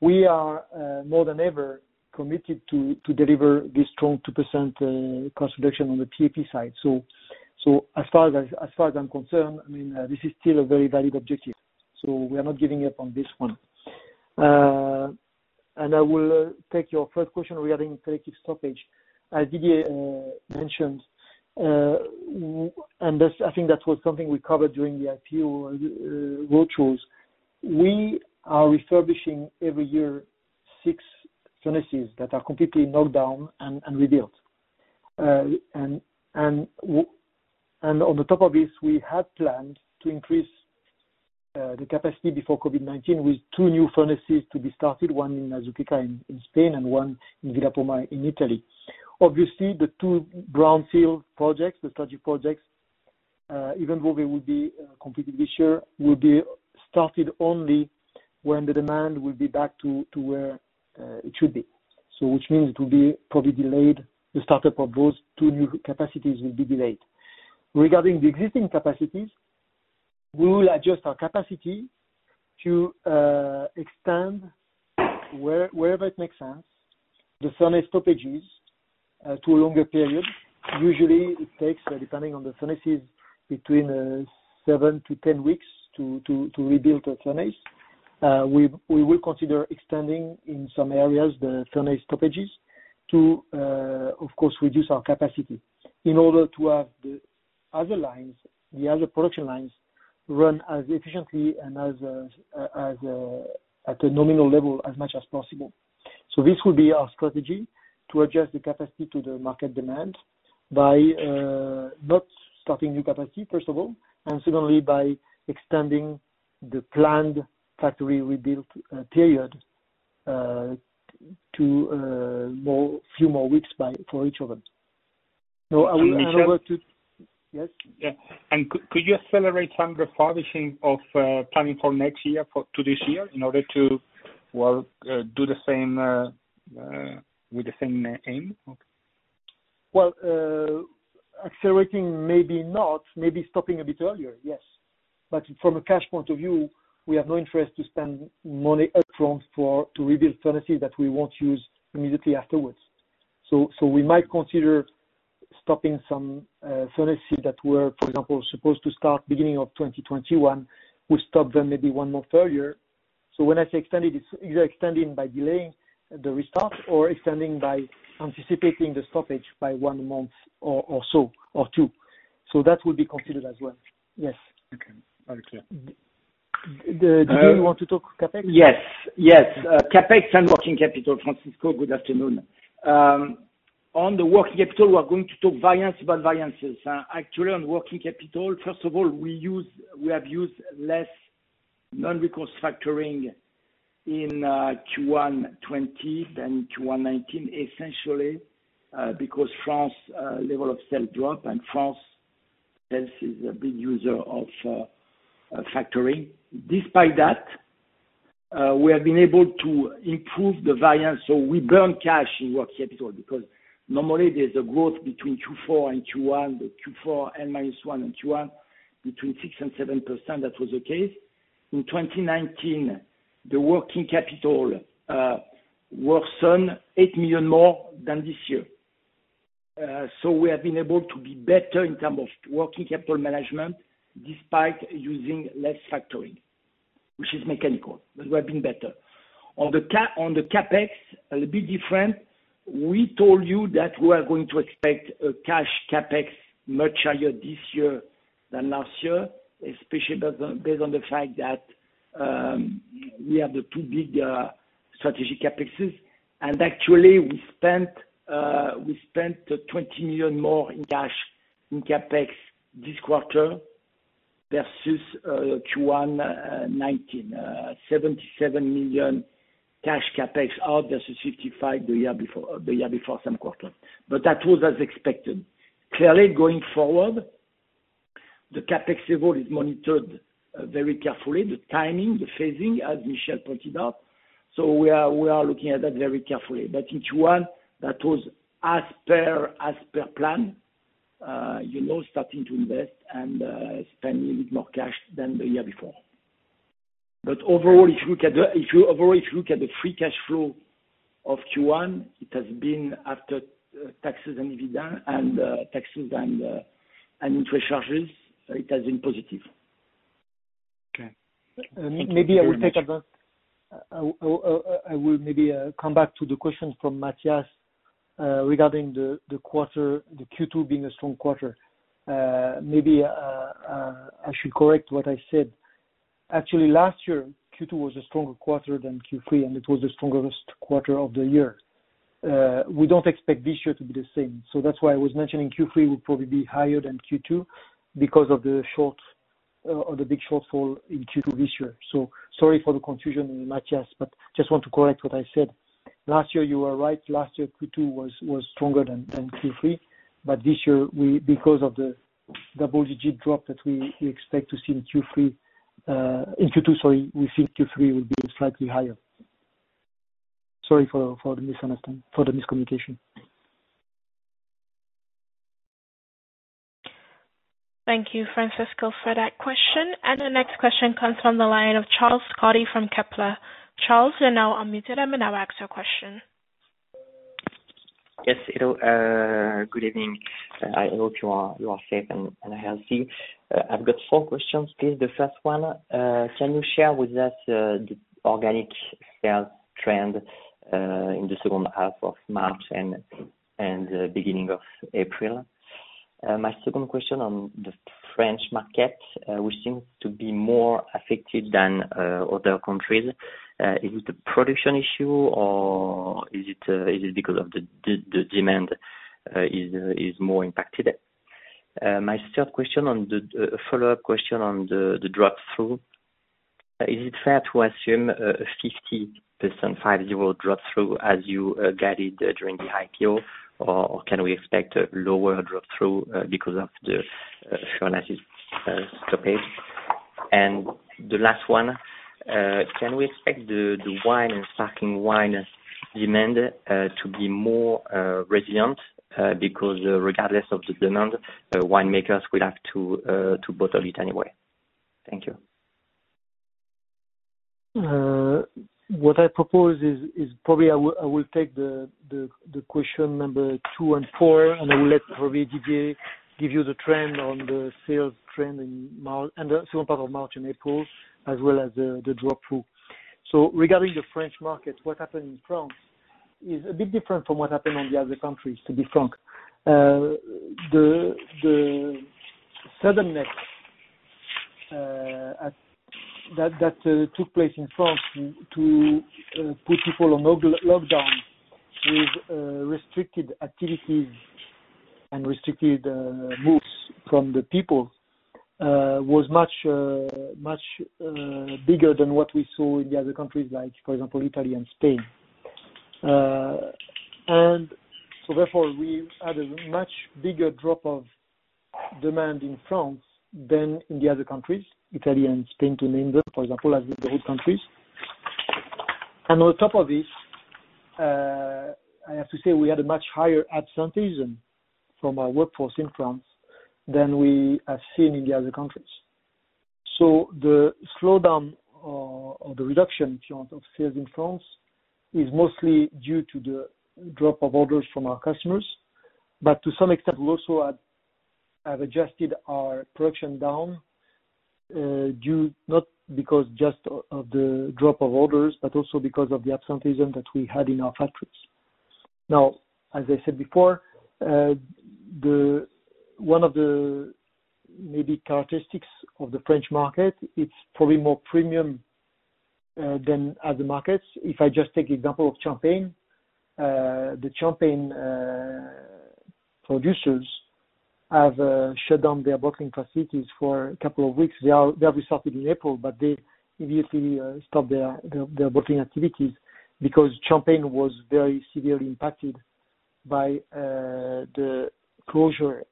We are more than ever committed to deliver this strong 2% cost reduction on the PAP side. As far as I'm concerned, this is still a very valid objective, so we are not giving up on this one. I will take your third question regarding selective stoppage. Didier mentioned, I think that was something we covered during the IPO road shows. We are refurbishing every year six furnaces that are completely knocked down and rebuilt. On the top of this, we had planned to increase the capacity before COVID-19 with two new furnaces to be started, one in Azuqueca in Spain and one in Villa Poma in Italy. Obviously, the two brownfield projects, the strategic projects, even though they will be completed this year, will be started only when the demand will be back to where it should be. Which means it will be probably delayed. The startup of those two new capacities will be delayed. Regarding the existing capacities, we will adjust our capacity to extend, wherever it makes sense, the furnace stoppages to a longer period. Usually, it takes, depending on the furnaces, between 7-10 weeks to rebuild a furnace. We will consider extending, in some areas, the furnace stoppages to, of course, reduce our capacity in order to have the other lines, the other production lines, run as efficiently and at a nominal level as much as possible. This will be our strategy to adjust the capacity to the market demand by, not starting new capacity, first of all, and secondly, by extending the planned factory rebuild period to a few more weeks for each of them. Yes? Yeah. Could you accelerate some refurbishing of planning for next year to this year in order to do the same with the same aim? Well, accelerating, maybe not. Maybe stopping a bit earlier, yes. From a cash point of view, we have no interest to spend money upfront to rebuild furnaces that we won't use immediately afterwards. We might consider stopping some furnaces that were, for example, supposed to start beginning of 2021. We stop them maybe one month earlier. When I say extended, it's either extending by delaying the restart or extending by anticipating the stoppage by one month or so, or two. That will be considered as well. Yes. Okay. Very clear. Didier, you want to talk CapEx? Yes. CapEx and working capital, Francisco, good afternoon. On the working capital, we are going to talk variance about variances. Actually, on working capital, first of all, we have used less non-recourse factoring in Q1 2020 than Q1 2019, essentially, because France level of sell drop and France sells is a big user of factoring. Despite that, we have been able to improve the variance, we burn cash in working capital because normally there's a growth between Q4 and Q1, the Q4, N minus one, and Q1 between 6% and 7%. That was the case. In 2019, the working capital worsened 8 million more than this year. We have been able to be better in terms of working capital management despite using less factoring, which is mechanical, we have been better. On the CapEx, a little bit different. We told you that we are going to expect a cash CapEx much higher this year than last year, especially based on the fact that we have the two big strategic CapExes. Actually, we spent 20 million more in cash in CapEx this quarter versus Q1 2019, 77 million cash CapEx out versus 55 the year before same quarter. That was as expected. Clearly, going forward, the CapEx level is monitored very carefully, the timing, the phasing, as Michel pointed out. We are looking at that very carefully. In Q1, that was as per plan. Starting to invest and spending a bit more cash than the year before. Overall, if you look at the free cash flow of Q1, it has been after taxes and interest charges, it has been positive. Okay. Thank you very much. Maybe I will come back to the question from Matthias regarding the quarter, the Q2 being a strong quarter. Maybe I should correct what I said. Actually, last year, Q2 was a stronger quarter than Q3, and it was the strongest quarter of the year. We don't expect this year to be the same. That's why I was mentioning Q3 will probably be higher than Q2 because of the big shortfall in Q2 this year. Sorry for the confusion, Matthias, but just want to correct what I said. Last year, you were right. Last year, Q2 was stronger than Q3. This year, because of the double-digit drop that we expect to see in Q2, we think Q3 will be slightly higher. Sorry for the miscommunication. Thank you, Francisco, for that question. The next question comes from the line of Charles Scotti from Kepler. Charles, you're now unmuted. You may now ask your question. Yes, hello. Good evening. I hope you are safe and healthy. I've got four questions, please. The first one, can you share with us the organic sales trend in the second half of March and the beginning of April? My second question on the French market, which seems to be more affected than other countries. Is it a production issue or is it because of the demand is more impacted? My third question, a follow-up question on the drop through. Is it fair to assume a 50%, 5-0 drop through as you guided during the IPO, or can we expect a lower drop through because of the Chalon's stoppage? And the last one, can we expect the wine and sparkling wine demand to be more resilient? Because regardless of the demand, winemakers will have to bottle it anyway. Thank you. What I propose is probably I will take the question number two and four, and I will let probably Didier give you the trend on the sales trend in the second part of March and April, as well as the drop through. Regarding the French market, what happened in France is a bit different from what happened in the other countries, to be frank. The suddenness that took place in France to put people on lockdown with restricted activities and restricted moves from the people was much bigger than what we saw in the other countries, like, for example, Italy and Spain. Therefore, we had a much bigger drop of demand in France than in the other countries, Italy and Spain, to name them, for example, as the head countries. On top of this, I have to say we had a much higher absenteeism from our workforce in France than we have seen in the other countries. The slowdown or the reduction of sales in France is mostly due to the drop of orders from our customers. To some extent, we also have adjusted our production down, not because just of the drop of orders, but also because of the absenteeism that we had in our factories. As I said before, one of the maybe characteristics of the French market, it's probably more premium than other markets. If I just take example of Champagne, the Champagne producers have shut down their bottling facilities for a couple of weeks. They have restarted in April, but they immediately stopped their bottling activities because Champagne was very severely impacted by the closure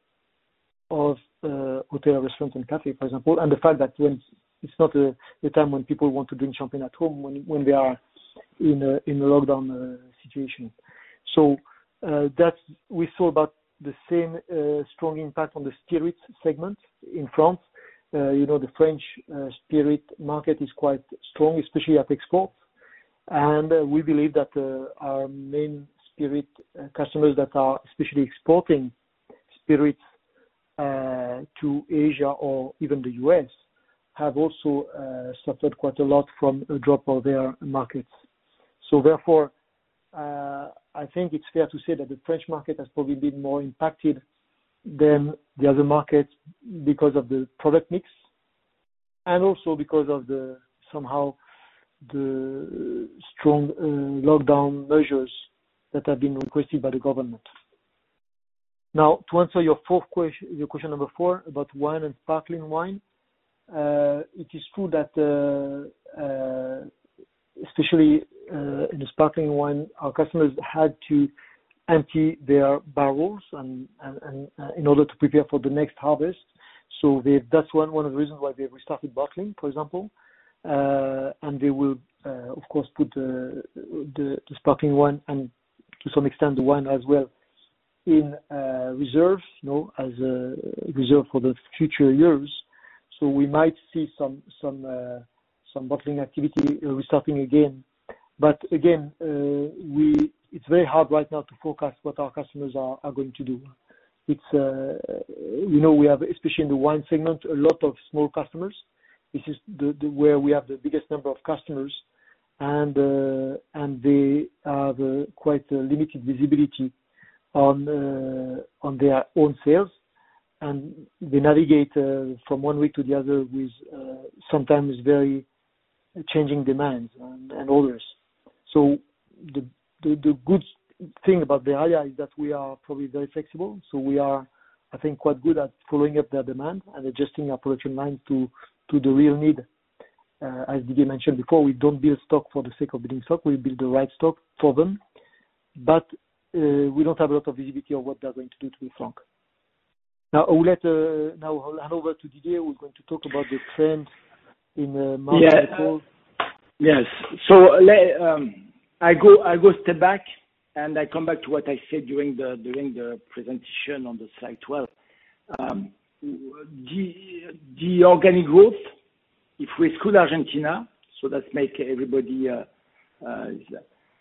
of hotel, restaurant, and cafe, for example, and the fact that it's not the time when people want to drink Champagne at home when they are in a lockdown situation. We saw about the same strong impact on the spirits segment in France. The French spirit market is quite strong, especially at export. We believe that our main spirit customers that are especially exporting spirits to Asia or even the U.S., have also suffered quite a lot from a drop of their markets. Therefore, I think it's fair to say that the French market has probably been more impacted than the other markets because of the product mix, and also because of the strong lockdown measures that have been requested by the government. To answer your question four about wine and sparkling wine. It is true that, especially in the sparkling wine, our customers had to empty their barrels in order to prepare for the next harvest. That's one of the reasons why they restarted bottling, for example. They will, of course, put the sparkling wine and to some extent, the wine as well in reserve for the future years. We might see some bottling activity restarting again. Again, it's very hard right now to forecast what our customers are going to do. We have, especially in the wine segment, a lot of small customers. This is where we have the biggest number of customers, and they have quite a limited visibility on their own sales. They navigate from one week to the other with sometimes very changing demands and orders. The good thing about Verallia is that we are probably very flexible. We are, I think, quite good at following up their demand and adjusting our production line to the real need. As Didier mentioned before, we don't build stock for the sake of building stock. We build the right stock for them. We don't have a lot of visibility on what they're going to do to be frank. Now I will hand over to Didier, who's going to talk about the trends in March and April. Yes. I go step back and I come back to what I said during the presentation on slide 12. The organic growth, if we exclude Argentina,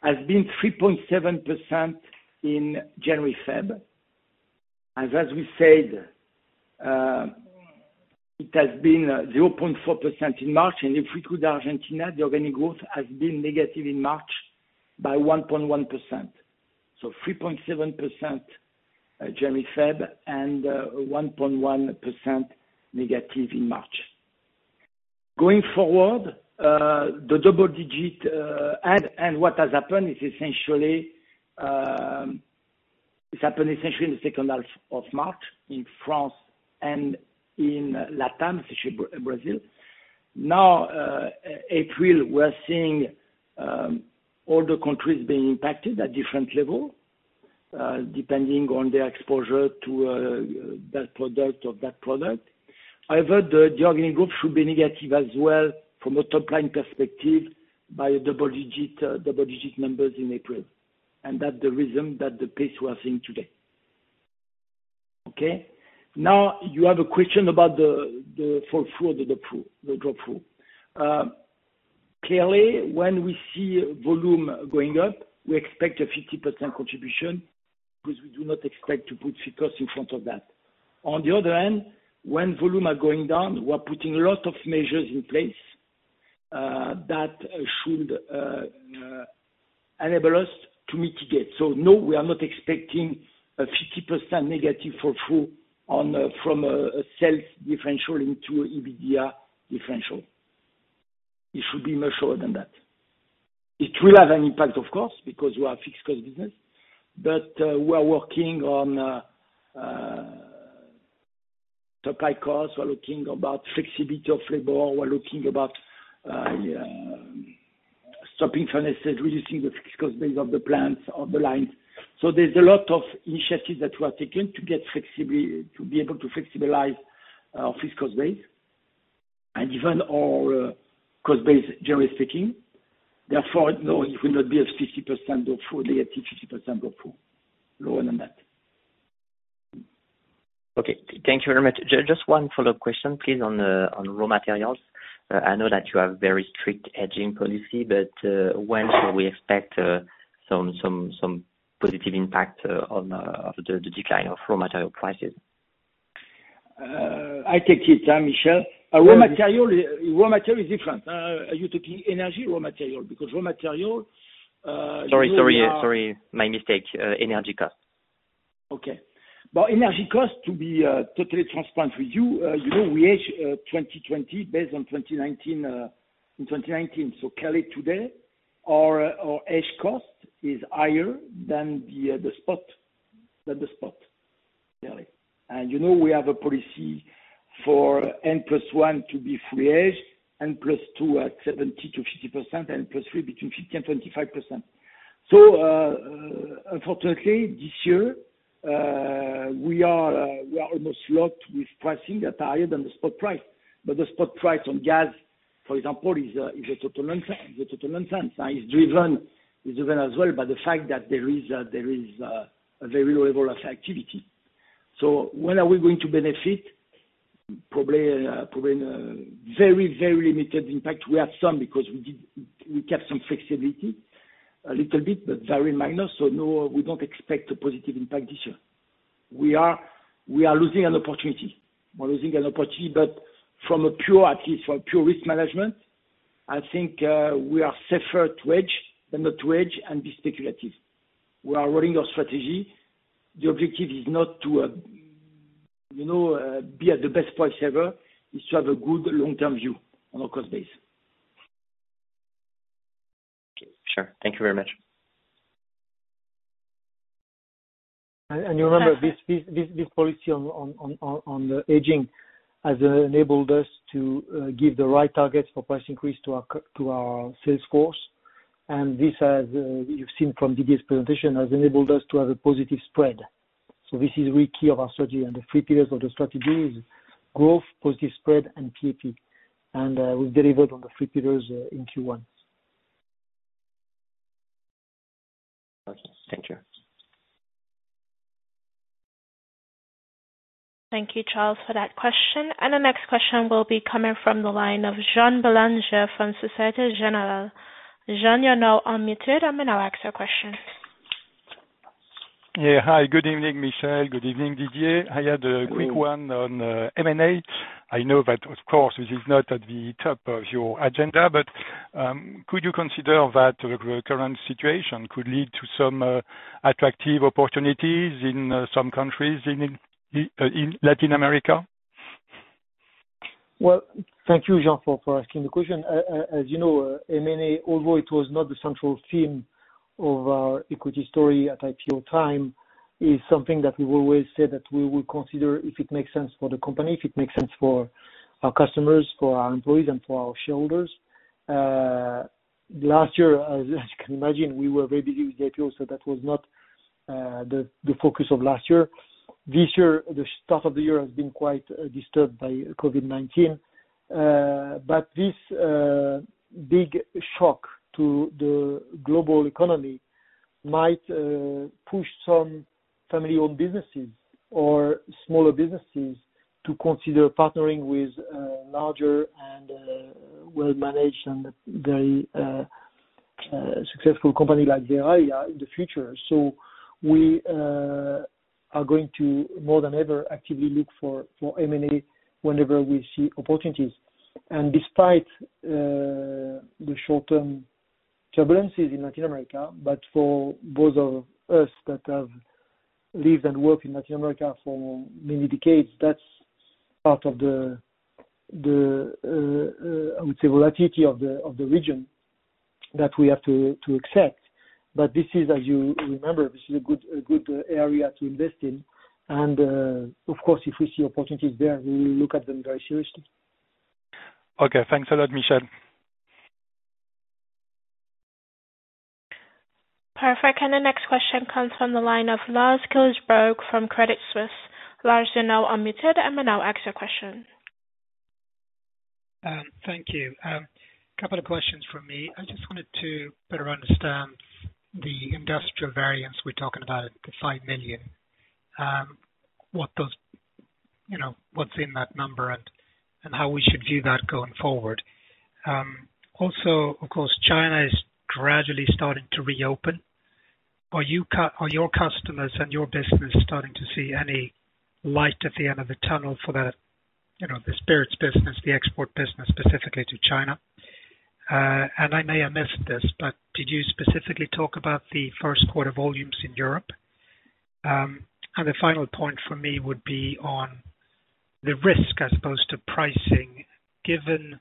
has been 3.7% in January, February. As we said, it has been 0.4% in March. If we exclude Argentina, the organic growth has been negative in March by 1.1%. 3.7% January, February, and 1.1% negative in March. Going forward, it's happened essentially in the second half of March in France and in LatAm, especially Brazil. Now, April, we're seeing all the countries being impacted at different levels, depending on their exposure to that product. However, the organic growth should be negative as well from a top-line perspective by double-digit numbers in April. That's the pace we are seeing today. Okay. Now, you have a question about the fall through, the drop through. Clearly, when we see volume going up, we expect a 50% contribution because we do not expect to put fixed cost in front of that. On the other hand, when volume are going down, we are putting a lot of measures in place that should enable us to mitigate. No, we are not expecting a 50% negative fall through from a sales differential into EBITDA differential. It should be much lower than that. It will have an impact, of course, because we are a fixed cost business. We are working on supply costs, we're looking about flexibility of labor, we're looking about stopping furnaces, reducing the fixed cost base of the plants, of the lines. There's a lot of initiatives that were taken to be able to flexibilize our fixed cost base and even our cost base generally speaking. Therefore, no, it will not be a 50% drop through, lower than that. Okay. Thank you very much. Just one follow-up question, please, on raw materials. I know that you have very strict hedging policy, when should we expect some positive impact of the decline of raw material prices? I take it, Michel. Raw material is different. Are you talking energy, raw material? Sorry. My mistake. Energy cost. Okay. Well, energy cost, to be totally transparent with you, we hedge 2020 based on 2019. Currently today, our hedge cost is higher than the spot. You know we have a policy for N plus one to be fully hedged, N plus two at 70%-50%, N plus three between 50% and 25%. Unfortunately, this year, we are almost locked with pricing that's higher than the spot price. The spot price on gas, for example, is a total nonsense, and it's driven as well by the fact that there is a very low level of activity. When are we going to benefit? Probably in a very limited impact. We have some because we kept some flexibility, a little bit, but very minor. No, we don't expect a positive impact this year. We are losing an opportunity. We're losing an opportunity, but from a pure risk management, I think we are safer to hedge than not to hedge and be speculative. We are running our strategy. The objective is not to be at the best price ever, it's to have a good long-term view on our cost base. Okay. Sure. Thank you very much. You remember this policy on the hedging has enabled us to give the right targets for price increase to our sales force. This, as you've seen from Didier's presentation, has enabled us to have a positive spread. This is really key of our strategy. The three pillars of the strategy is growth, positive spread, and PAP. We've delivered on the three pillars in Q1. Thank you. Thank you, Charles, for that question. The next question will be coming from the line of Jean Belanger from Société Générale. Jean, you're now unmuted. You may now ask your question. Yeah. Hi. Good evening, Michel. Good evening, Didier. I had a quick one on M&A. I know that, of course, this is not at the top of your agenda, but could you consider that the current situation could lead to some attractive opportunities in some countries in Latin America? Well, thank you, Jean, for asking the question. As you know, M&A, although it was not the central theme of our equity story at IPO time, is something that we've always said that we will consider if it makes sense for the company, if it makes sense for our customers, for our employees, and for our shareholders. Last year, as you can imagine, we were very busy with the IPO, so that was not the focus of last year. This year, the start of the year has been quite disturbed by COVID-19. This big shock to the global economy might push some family-owned businesses or smaller businesses to consider partnering with larger and well-managed and very successful company like Verallia in the future. We are going to, more than ever, actively look for M&A whenever we see opportunities. Despite the short-term turbulences in Latin America, but for those of us that have lived and worked in Latin America for many decades, that's part of the, I would say, relativity of the region that we have to accept. This is, as you remember, this is a good area to invest in. Of course, if we see opportunities there, we will look at them very seriously. Okay. Thanks a lot, Michel. Perfect. The next question comes from the line of Lars Kjellberg from Credit Suisse. Lars, you're now unmuted and may now ask your question. Thank you. Couple of questions from me. I just wanted to better understand the industrial variance we are talking about, the 5 million. What's in that number and how we should view that going forward? Also, of course, China is gradually starting to reopen. Are your customers and your business starting to see any light at the end of the tunnel for the spirits business, the export business, specifically to China? I may have missed this, but did you specifically talk about the first quarter volumes in Europe? The final point for me would be on the risk as opposed to pricing, given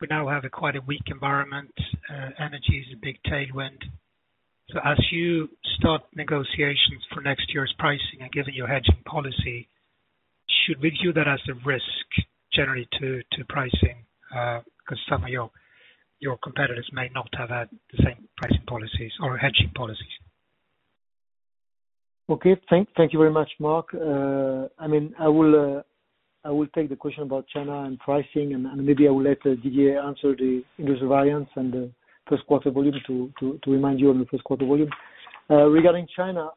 we now have quite a weak environment, energy is a big tailwind. As you start negotiations for next year's pricing and given your hedging policy, should we view that as a risk generally to pricing? Some of your competitors may not have had the same pricing policies or hedging policies. Okay. Thank you very much, Lars. I will take the question about China and pricing, and maybe I will let Didier answer the industrial variance and the first quarter volume, to remind you on the first quarter volume. Regarding China,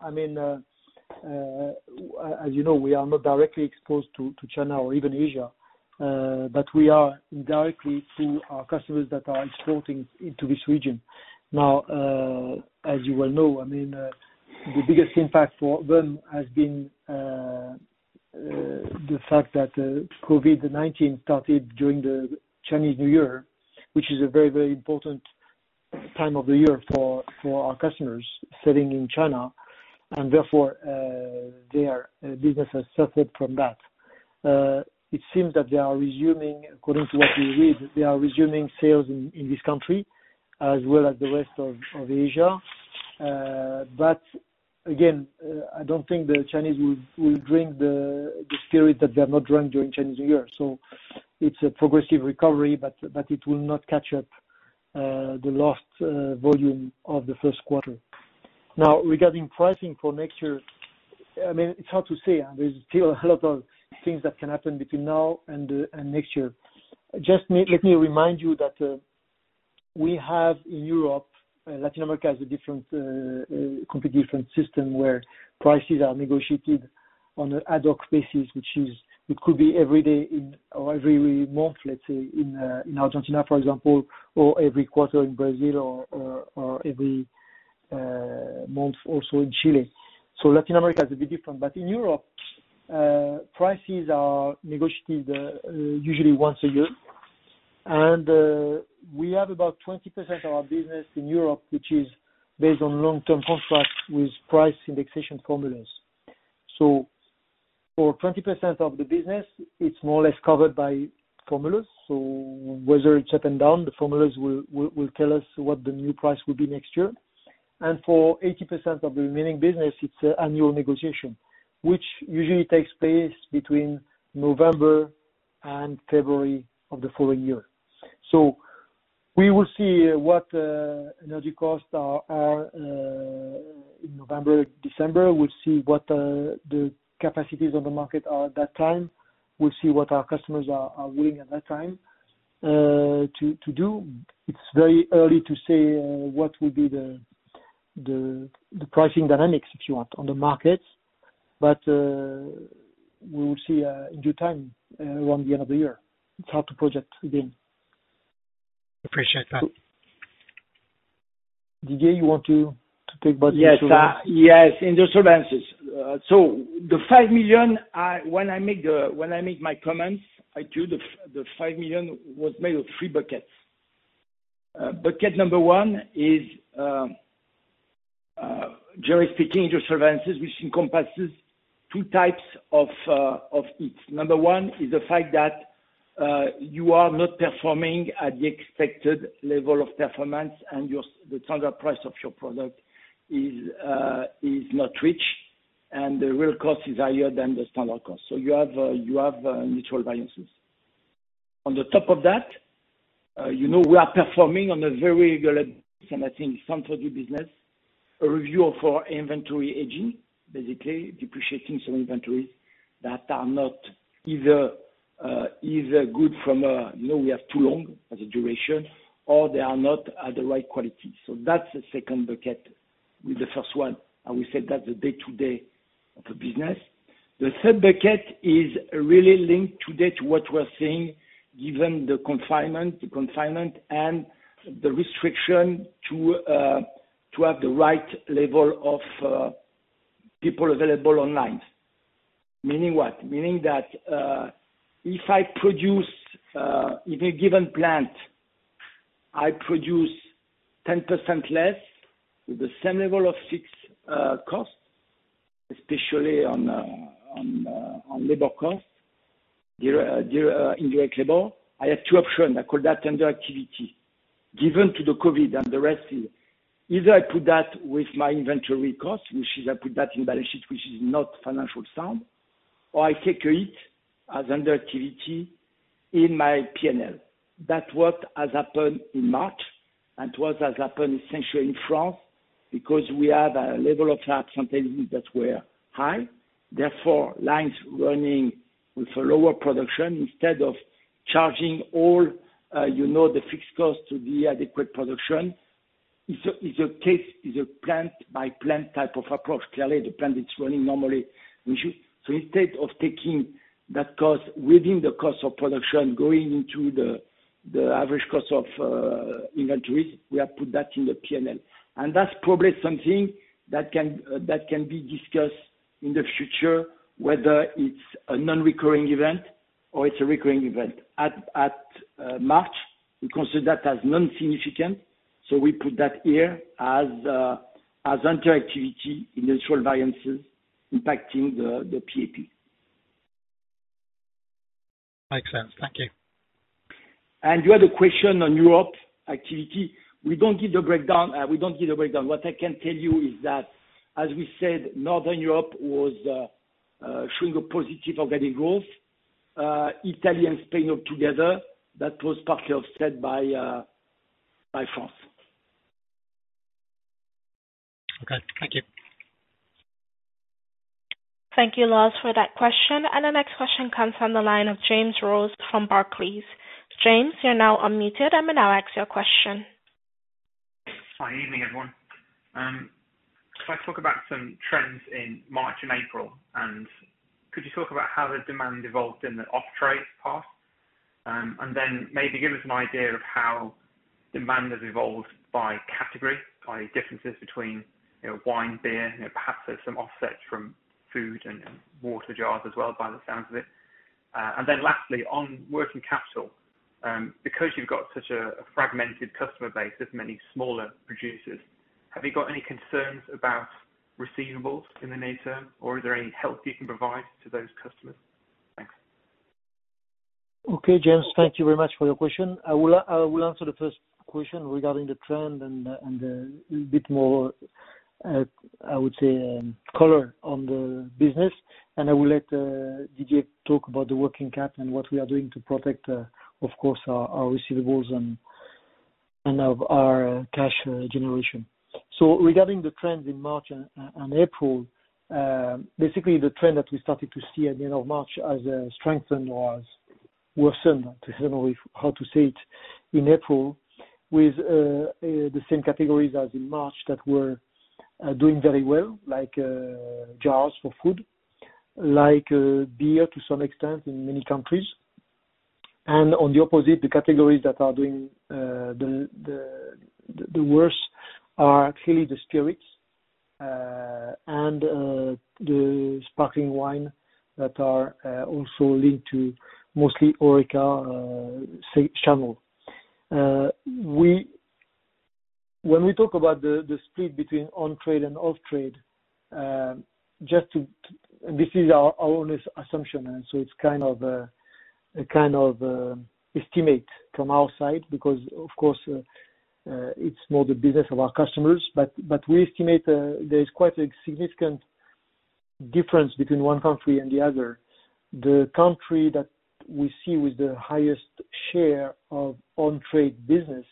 as you know, we are not directly exposed to China or even Asia, but we are indirectly through our customers that are exporting into this region. Now, as you well know, the biggest impact for them has been the fact that COVID-19 started during the Chinese New Year, which is a very important time of the year for our customers sitting in China, and therefore, their business has suffered from that. It seems that they are resuming, according to what we read, they are resuming sales in this country as well as the rest of Asia. Again, I don't think the Chinese will drink the spirit that they have not drunk during Chinese New Year. It's a progressive recovery, but it will not catch up the lost volume of the first quarter. Regarding pricing for next year, it's hard to say. There's still a lot of things that can happen between now and next year. Let me remind you that we have in Europe, Latin America has a complete different system where prices are negotiated on an ad hoc basis, which could be every day or every month, let's say, in Argentina, for example, or every quarter in Brazil or every month also in Chile. Latin America is a bit different. In Europe, prices are negotiated usually once a year. We have about 20% of our business in Europe, which is based on long-term contracts with price indexation formulas. For 20% of the business, it's more or less covered by formulas. Whether it's up and down, the formulas will tell us what the new price will be next year. For 80% of the remaining business, it's annual negotiation, which usually takes place between November and February of the following year. We will see what energy costs are in November, December. We'll see what the capacities on the market are at that time. We'll see what our customers are willing at that time to do. It's very early to say what will be the pricing dynamics, if you want, on the markets. We will see in due time, around the end of the year. It's hard to project again. Appreciate that. Didier, you want to take about this also? Yes. Industrial variances. The 5 million, when I make my comments, I do, the 5 million was made of three buckets. Bucket number one is, generally speaking, industrial variances, which encompasses two types of it. Number one is the fact that you are not performing at the expected level of performance and the standard price of your product is not reached, and the real cost is higher than the standard cost. You have material variances. On the top of that, we are performing on a very regular basis, and I think it's some good business, a review of our inventory aging, basically depreciating some inventories that are not either good from-- We have too long as a duration, or they are not at the right quality. That's the second bucket with the first one, and we said that's the day-to-day of the business. The third bucket is really linked today to what we are seeing, given the confinement and the restriction to have the right level of people available online. Meaning what? Meaning that, if in a given plant, I produce 10% less with the same level of fixed costs, especially on labor cost, indirect labor, I have two options. I call that under activity. Given to the COVID and the rest here, either I put that with my inventory cost, which is I put that in balance sheet, which is not financial sound, or I take it as under activity in my P&L. That's what has happened in March, and what has happened essentially in France, because we have a level of absenteeism that were high. Therefore, lines running with a lower production, instead of charging all the fixed costs to the adequate production is a plant-by-plant type of approach. Clearly, the plant is running normally. Instead of taking that cost within the cost of production going into the average cost of inventories, we have put that in the P&L. That's probably something that can be discussed in the future, whether it's a non-recurring event or it's a recurring event. At March, we consider that as non-significant, we put that here as under activity in natural variances impacting the PAP. Makes sense. Thank you. You had a question on Europe activity. We don't give the breakdown. What I can tell you is that, as we said, Northern Europe was showing a positive organic growth. Italy and Spain altogether, that was partly offset by France. Okay. Thank you. Thank you, Lars, for that question. The next question comes from the line of James Rose from Barclays. James, you are now unmuted. You may now ask your question. Hi, evening everyone. Could I talk about some trends in March and April, and could you talk about how the demand evolved in the off-trade part? Then maybe give us an idea of how demand has evolved by category, by differences between wine, beer, perhaps there's some offsets from food and water jars as well, by the sounds of it. Then lastly, on working capital, because you've got such a fragmented customer base of many smaller producers, have you got any concerns about receivables in the near term, or is there any help you can provide to those customers? Thanks. Okay, James. Thank you very much for your question. I will answer the first question regarding the trend and a bit more, I would say, color on the business. I will let Didier talk about the working cap and what we are doing to protect, of course, our receivables and our cash generation. Regarding the trends in March and April, basically the trend that we started to see at the end of March as a strengthen was worsened, I don't know how to say it, in April with the same categories as in March that were doing very well, like jars for food, like beer to some extent in many countries. On the opposite, the categories that are doing the worst are clearly the spirits and the sparkling wine that are also linked to mostly HoReCa channel. When we talk about the split between on-trade and off-trade, this is our honest assumption, and so it's a kind of estimate from our side because, of course, it's more the business of our customers. We estimate there is quite a significant difference between one country and the other. The country that we see with the highest share of on-trade business,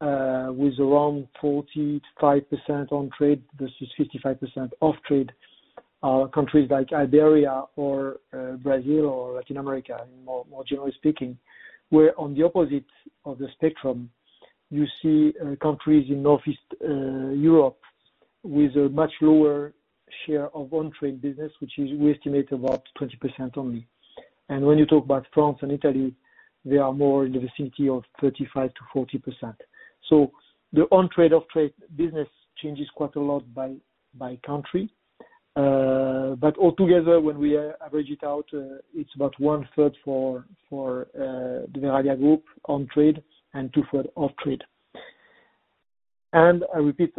with around 45% on-trade versus 55% off-trade, are countries like Iberia or Brazil or Latin America, more generally speaking, where on the opposite of the spectrum, you see countries in Northeast Europe with a much lower share of on-trade business, which we estimate about 20% only. When you talk about France and Italy, they are more in the vicinity of 35%-40%. The on-trade, off-trade business changes quite a lot by country. Altogether, when we average it out, it's about one-third for the Verallia Group on-trade and two-third off-trade. I repeat,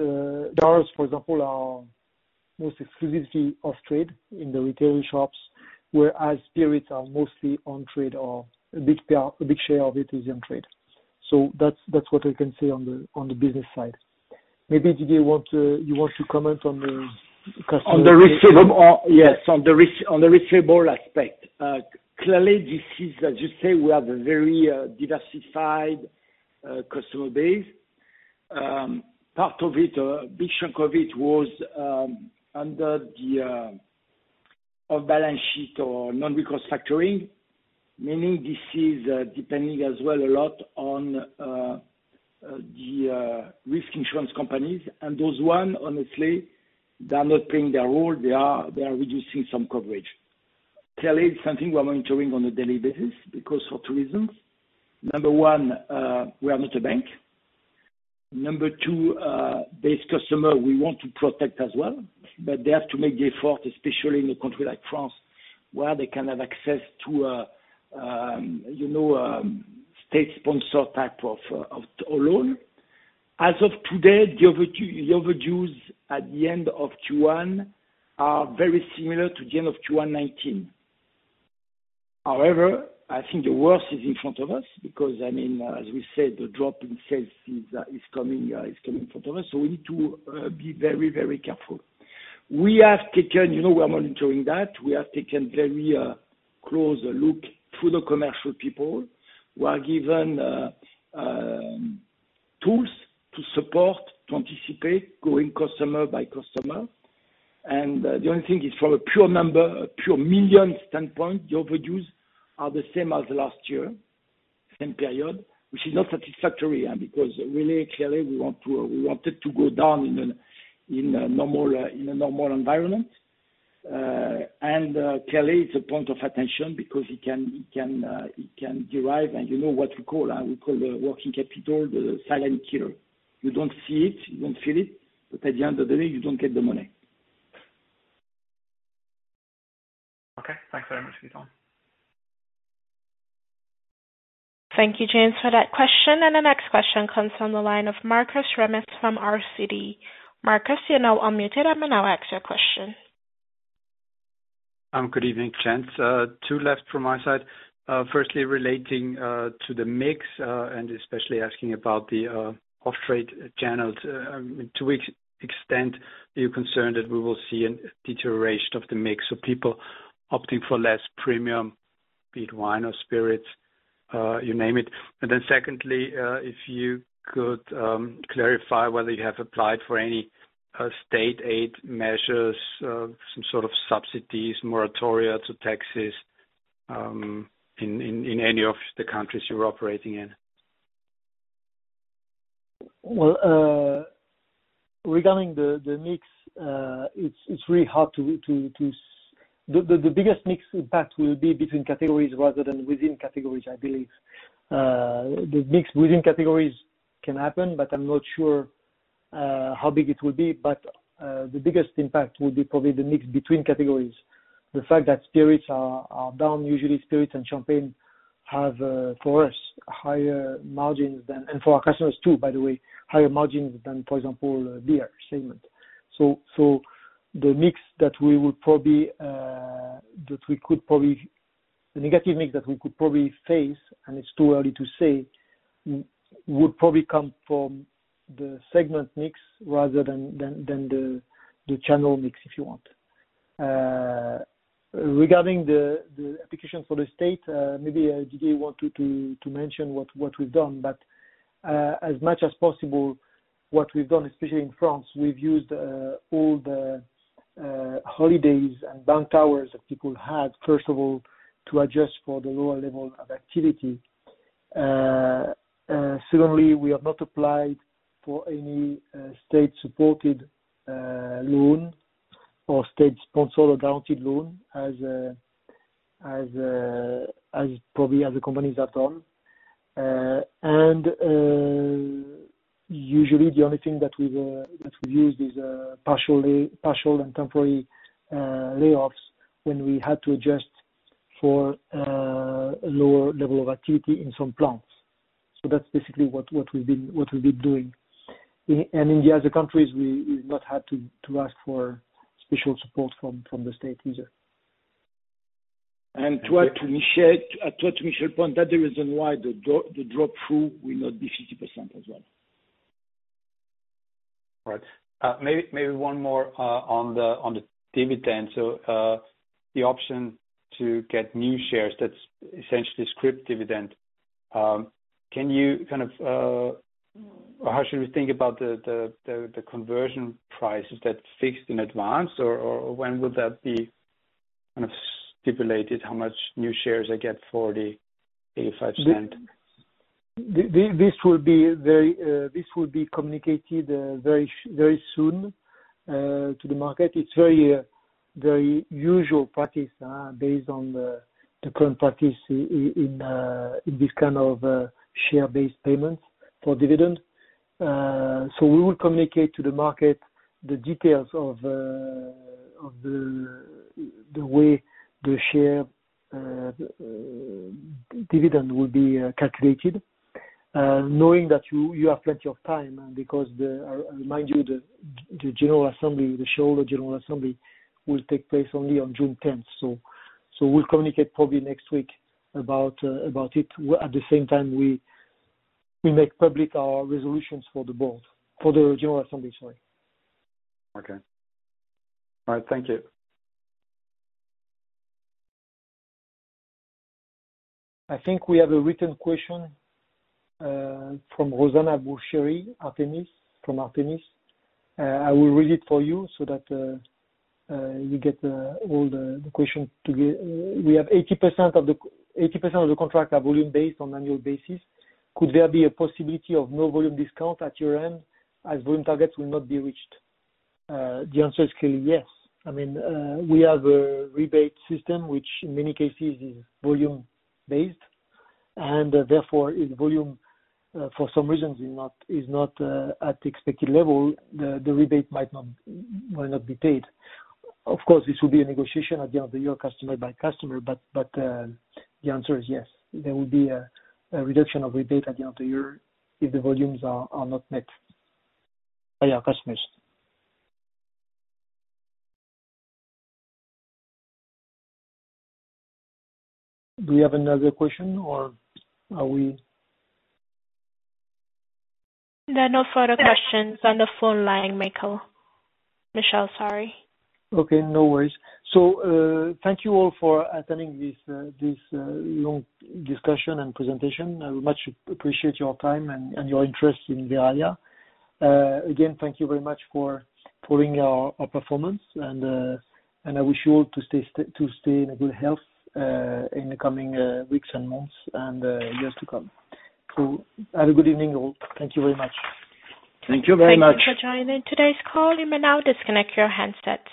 bars, for example, are most exclusively off-trade in the retail shops, whereas spirits are mostly on-trade or a big share of it is on-trade. That's what I can say on the business side. Maybe Didier, you want to comment on the customer- On the receivable? Yes, on the receivable aspect. Clearly, as you say, we have a very diversified customer base. A big chunk of it was under the off-balance sheet or non-recourse factoring, meaning this is depending as well a lot on the risk insurance companies. Those ones, honestly, they are not playing their role. They are reducing some coverage. Clearly, it's something we're monitoring on a daily basis because for two reasons. Number one, we are not a bank. Number two, these customers we want to protect as well, but they have to make the effort, especially in a country like France, where they can have access to a state-sponsored type of loan. As of today, the overdues at the end of Q1 are very similar to the end of Q1 2019. I think the worst is in front of us because, as we said, the drop in sales is coming in front of us. We need to be very careful. We are monitoring that. We have taken a very close look through the commercial people who are given tools to support, to anticipate going customer by customer. The only thing is from a pure number, a pure million standpoint, the overdues are the same as last year, same period, which is not satisfactory because really, clearly, we want it to go down in a normal environment. Clearly, it's a point of attention because it can derive, and you know what we call. We call the working capital the silent killer. You don't see it, you don't feel it, but at the end of the day, you don't get the money. Okay. Thanks very much, Didier. Thank you, James, for that question. The next question comes from the line of Markus Remis from RCB. Markus, you're now unmuted. You may now ask your question. Good evening, gents. Two left from my side. Firstly, relating to the mix, and especially asking about the off-trade channels. To which extent are you concerned that we will see a deterioration of the mix of people opting for less premium, be it wine or spirits, you name it. Secondly, if you could clarify whether you have applied for any state aid measures, some sort of subsidies, moratoria to taxes in any of the countries you're operating in. Well, regarding the mix, the biggest mix impact will be between categories rather than within categories, I believe. The mix within categories can happen, but I'm not sure how big it will be. The biggest impact will be probably the mix between categories. The fact that spirits are down, usually spirits and champagne have, for us, higher margins, and for our customers too, by the way, higher margins than, for example, beer segment. The negative mix that we could probably face, and it's too early to say, would probably come from the segment mix rather than the channel mix, if you want. Regarding the application for the state, maybe, Didier Fontaine, you want to mention what we've done. As much as possible, what we've done, especially in France, we've used all the holidays and bank hours that people had, first of all, to adjust for the lower level of activity. Secondly, we have not applied for any state-supported loan or state-sponsored or guaranteed loan, probably as the companies at home. Usually, the only thing that we've used is partial and temporary layoffs when we had to adjust for a lower level of activity in some plants. That's basically what we've been doing. In the other countries, we've not had to ask for special support from the state either. To add to Michel's point, that's the reason why the drop-through will not be 50% as well. Right. Maybe one more on the dividend. The option to get new shares, that's essentially a scrip dividend. How should we think about the conversion price? Is that fixed in advance, or when would that be stipulated, how much new shares I get for the EUR 0.85? This will be communicated very soon to the market. It's a very usual practice based on the current practice in this kind of share-based payments for dividends. We will communicate to the market the details of the way the share dividend will be calculated, knowing that you have plenty of time, because, I remind you, the shareholder general assembly will take place only on June 10th. We'll communicate probably next week about it. At the same time, we make public our resolutions for the board, for the general assembly, sorry. Okay. All right. Thank you. I think we have a written question, from Rosanna Burcheri, from Artemis. I will read it for you so that you get all the question together. We have 80% of the contract are volume-based on annual basis. Could there be a possibility of no volume discount at your end as volume targets will not be reached? The answer is clearly yes. We have a rebate system, which in many cases is volume-based, and therefore if volume, for some reasons is not at the expected level, the rebate might not be paid. Of course, this will be a negotiation at the end of the year, customer by customer. The answer is yes, there will be a reduction of rebate at the end of the year if the volumes are not met by our customers. Do we have another question, or are we There are no further questions on the phone line, Michel. Sorry. Okay. No worries. Thank you all for attending this long discussion and presentation. I much appreciate your time and your interest in Verallia. Again, thank you very much for following our performance, and I wish you all to stay in good health, in the coming weeks and months, and years to come. Have a good evening, all. Thank you very much. Thank you very much. Thank you for joining today's call. You may now disconnect your handsets.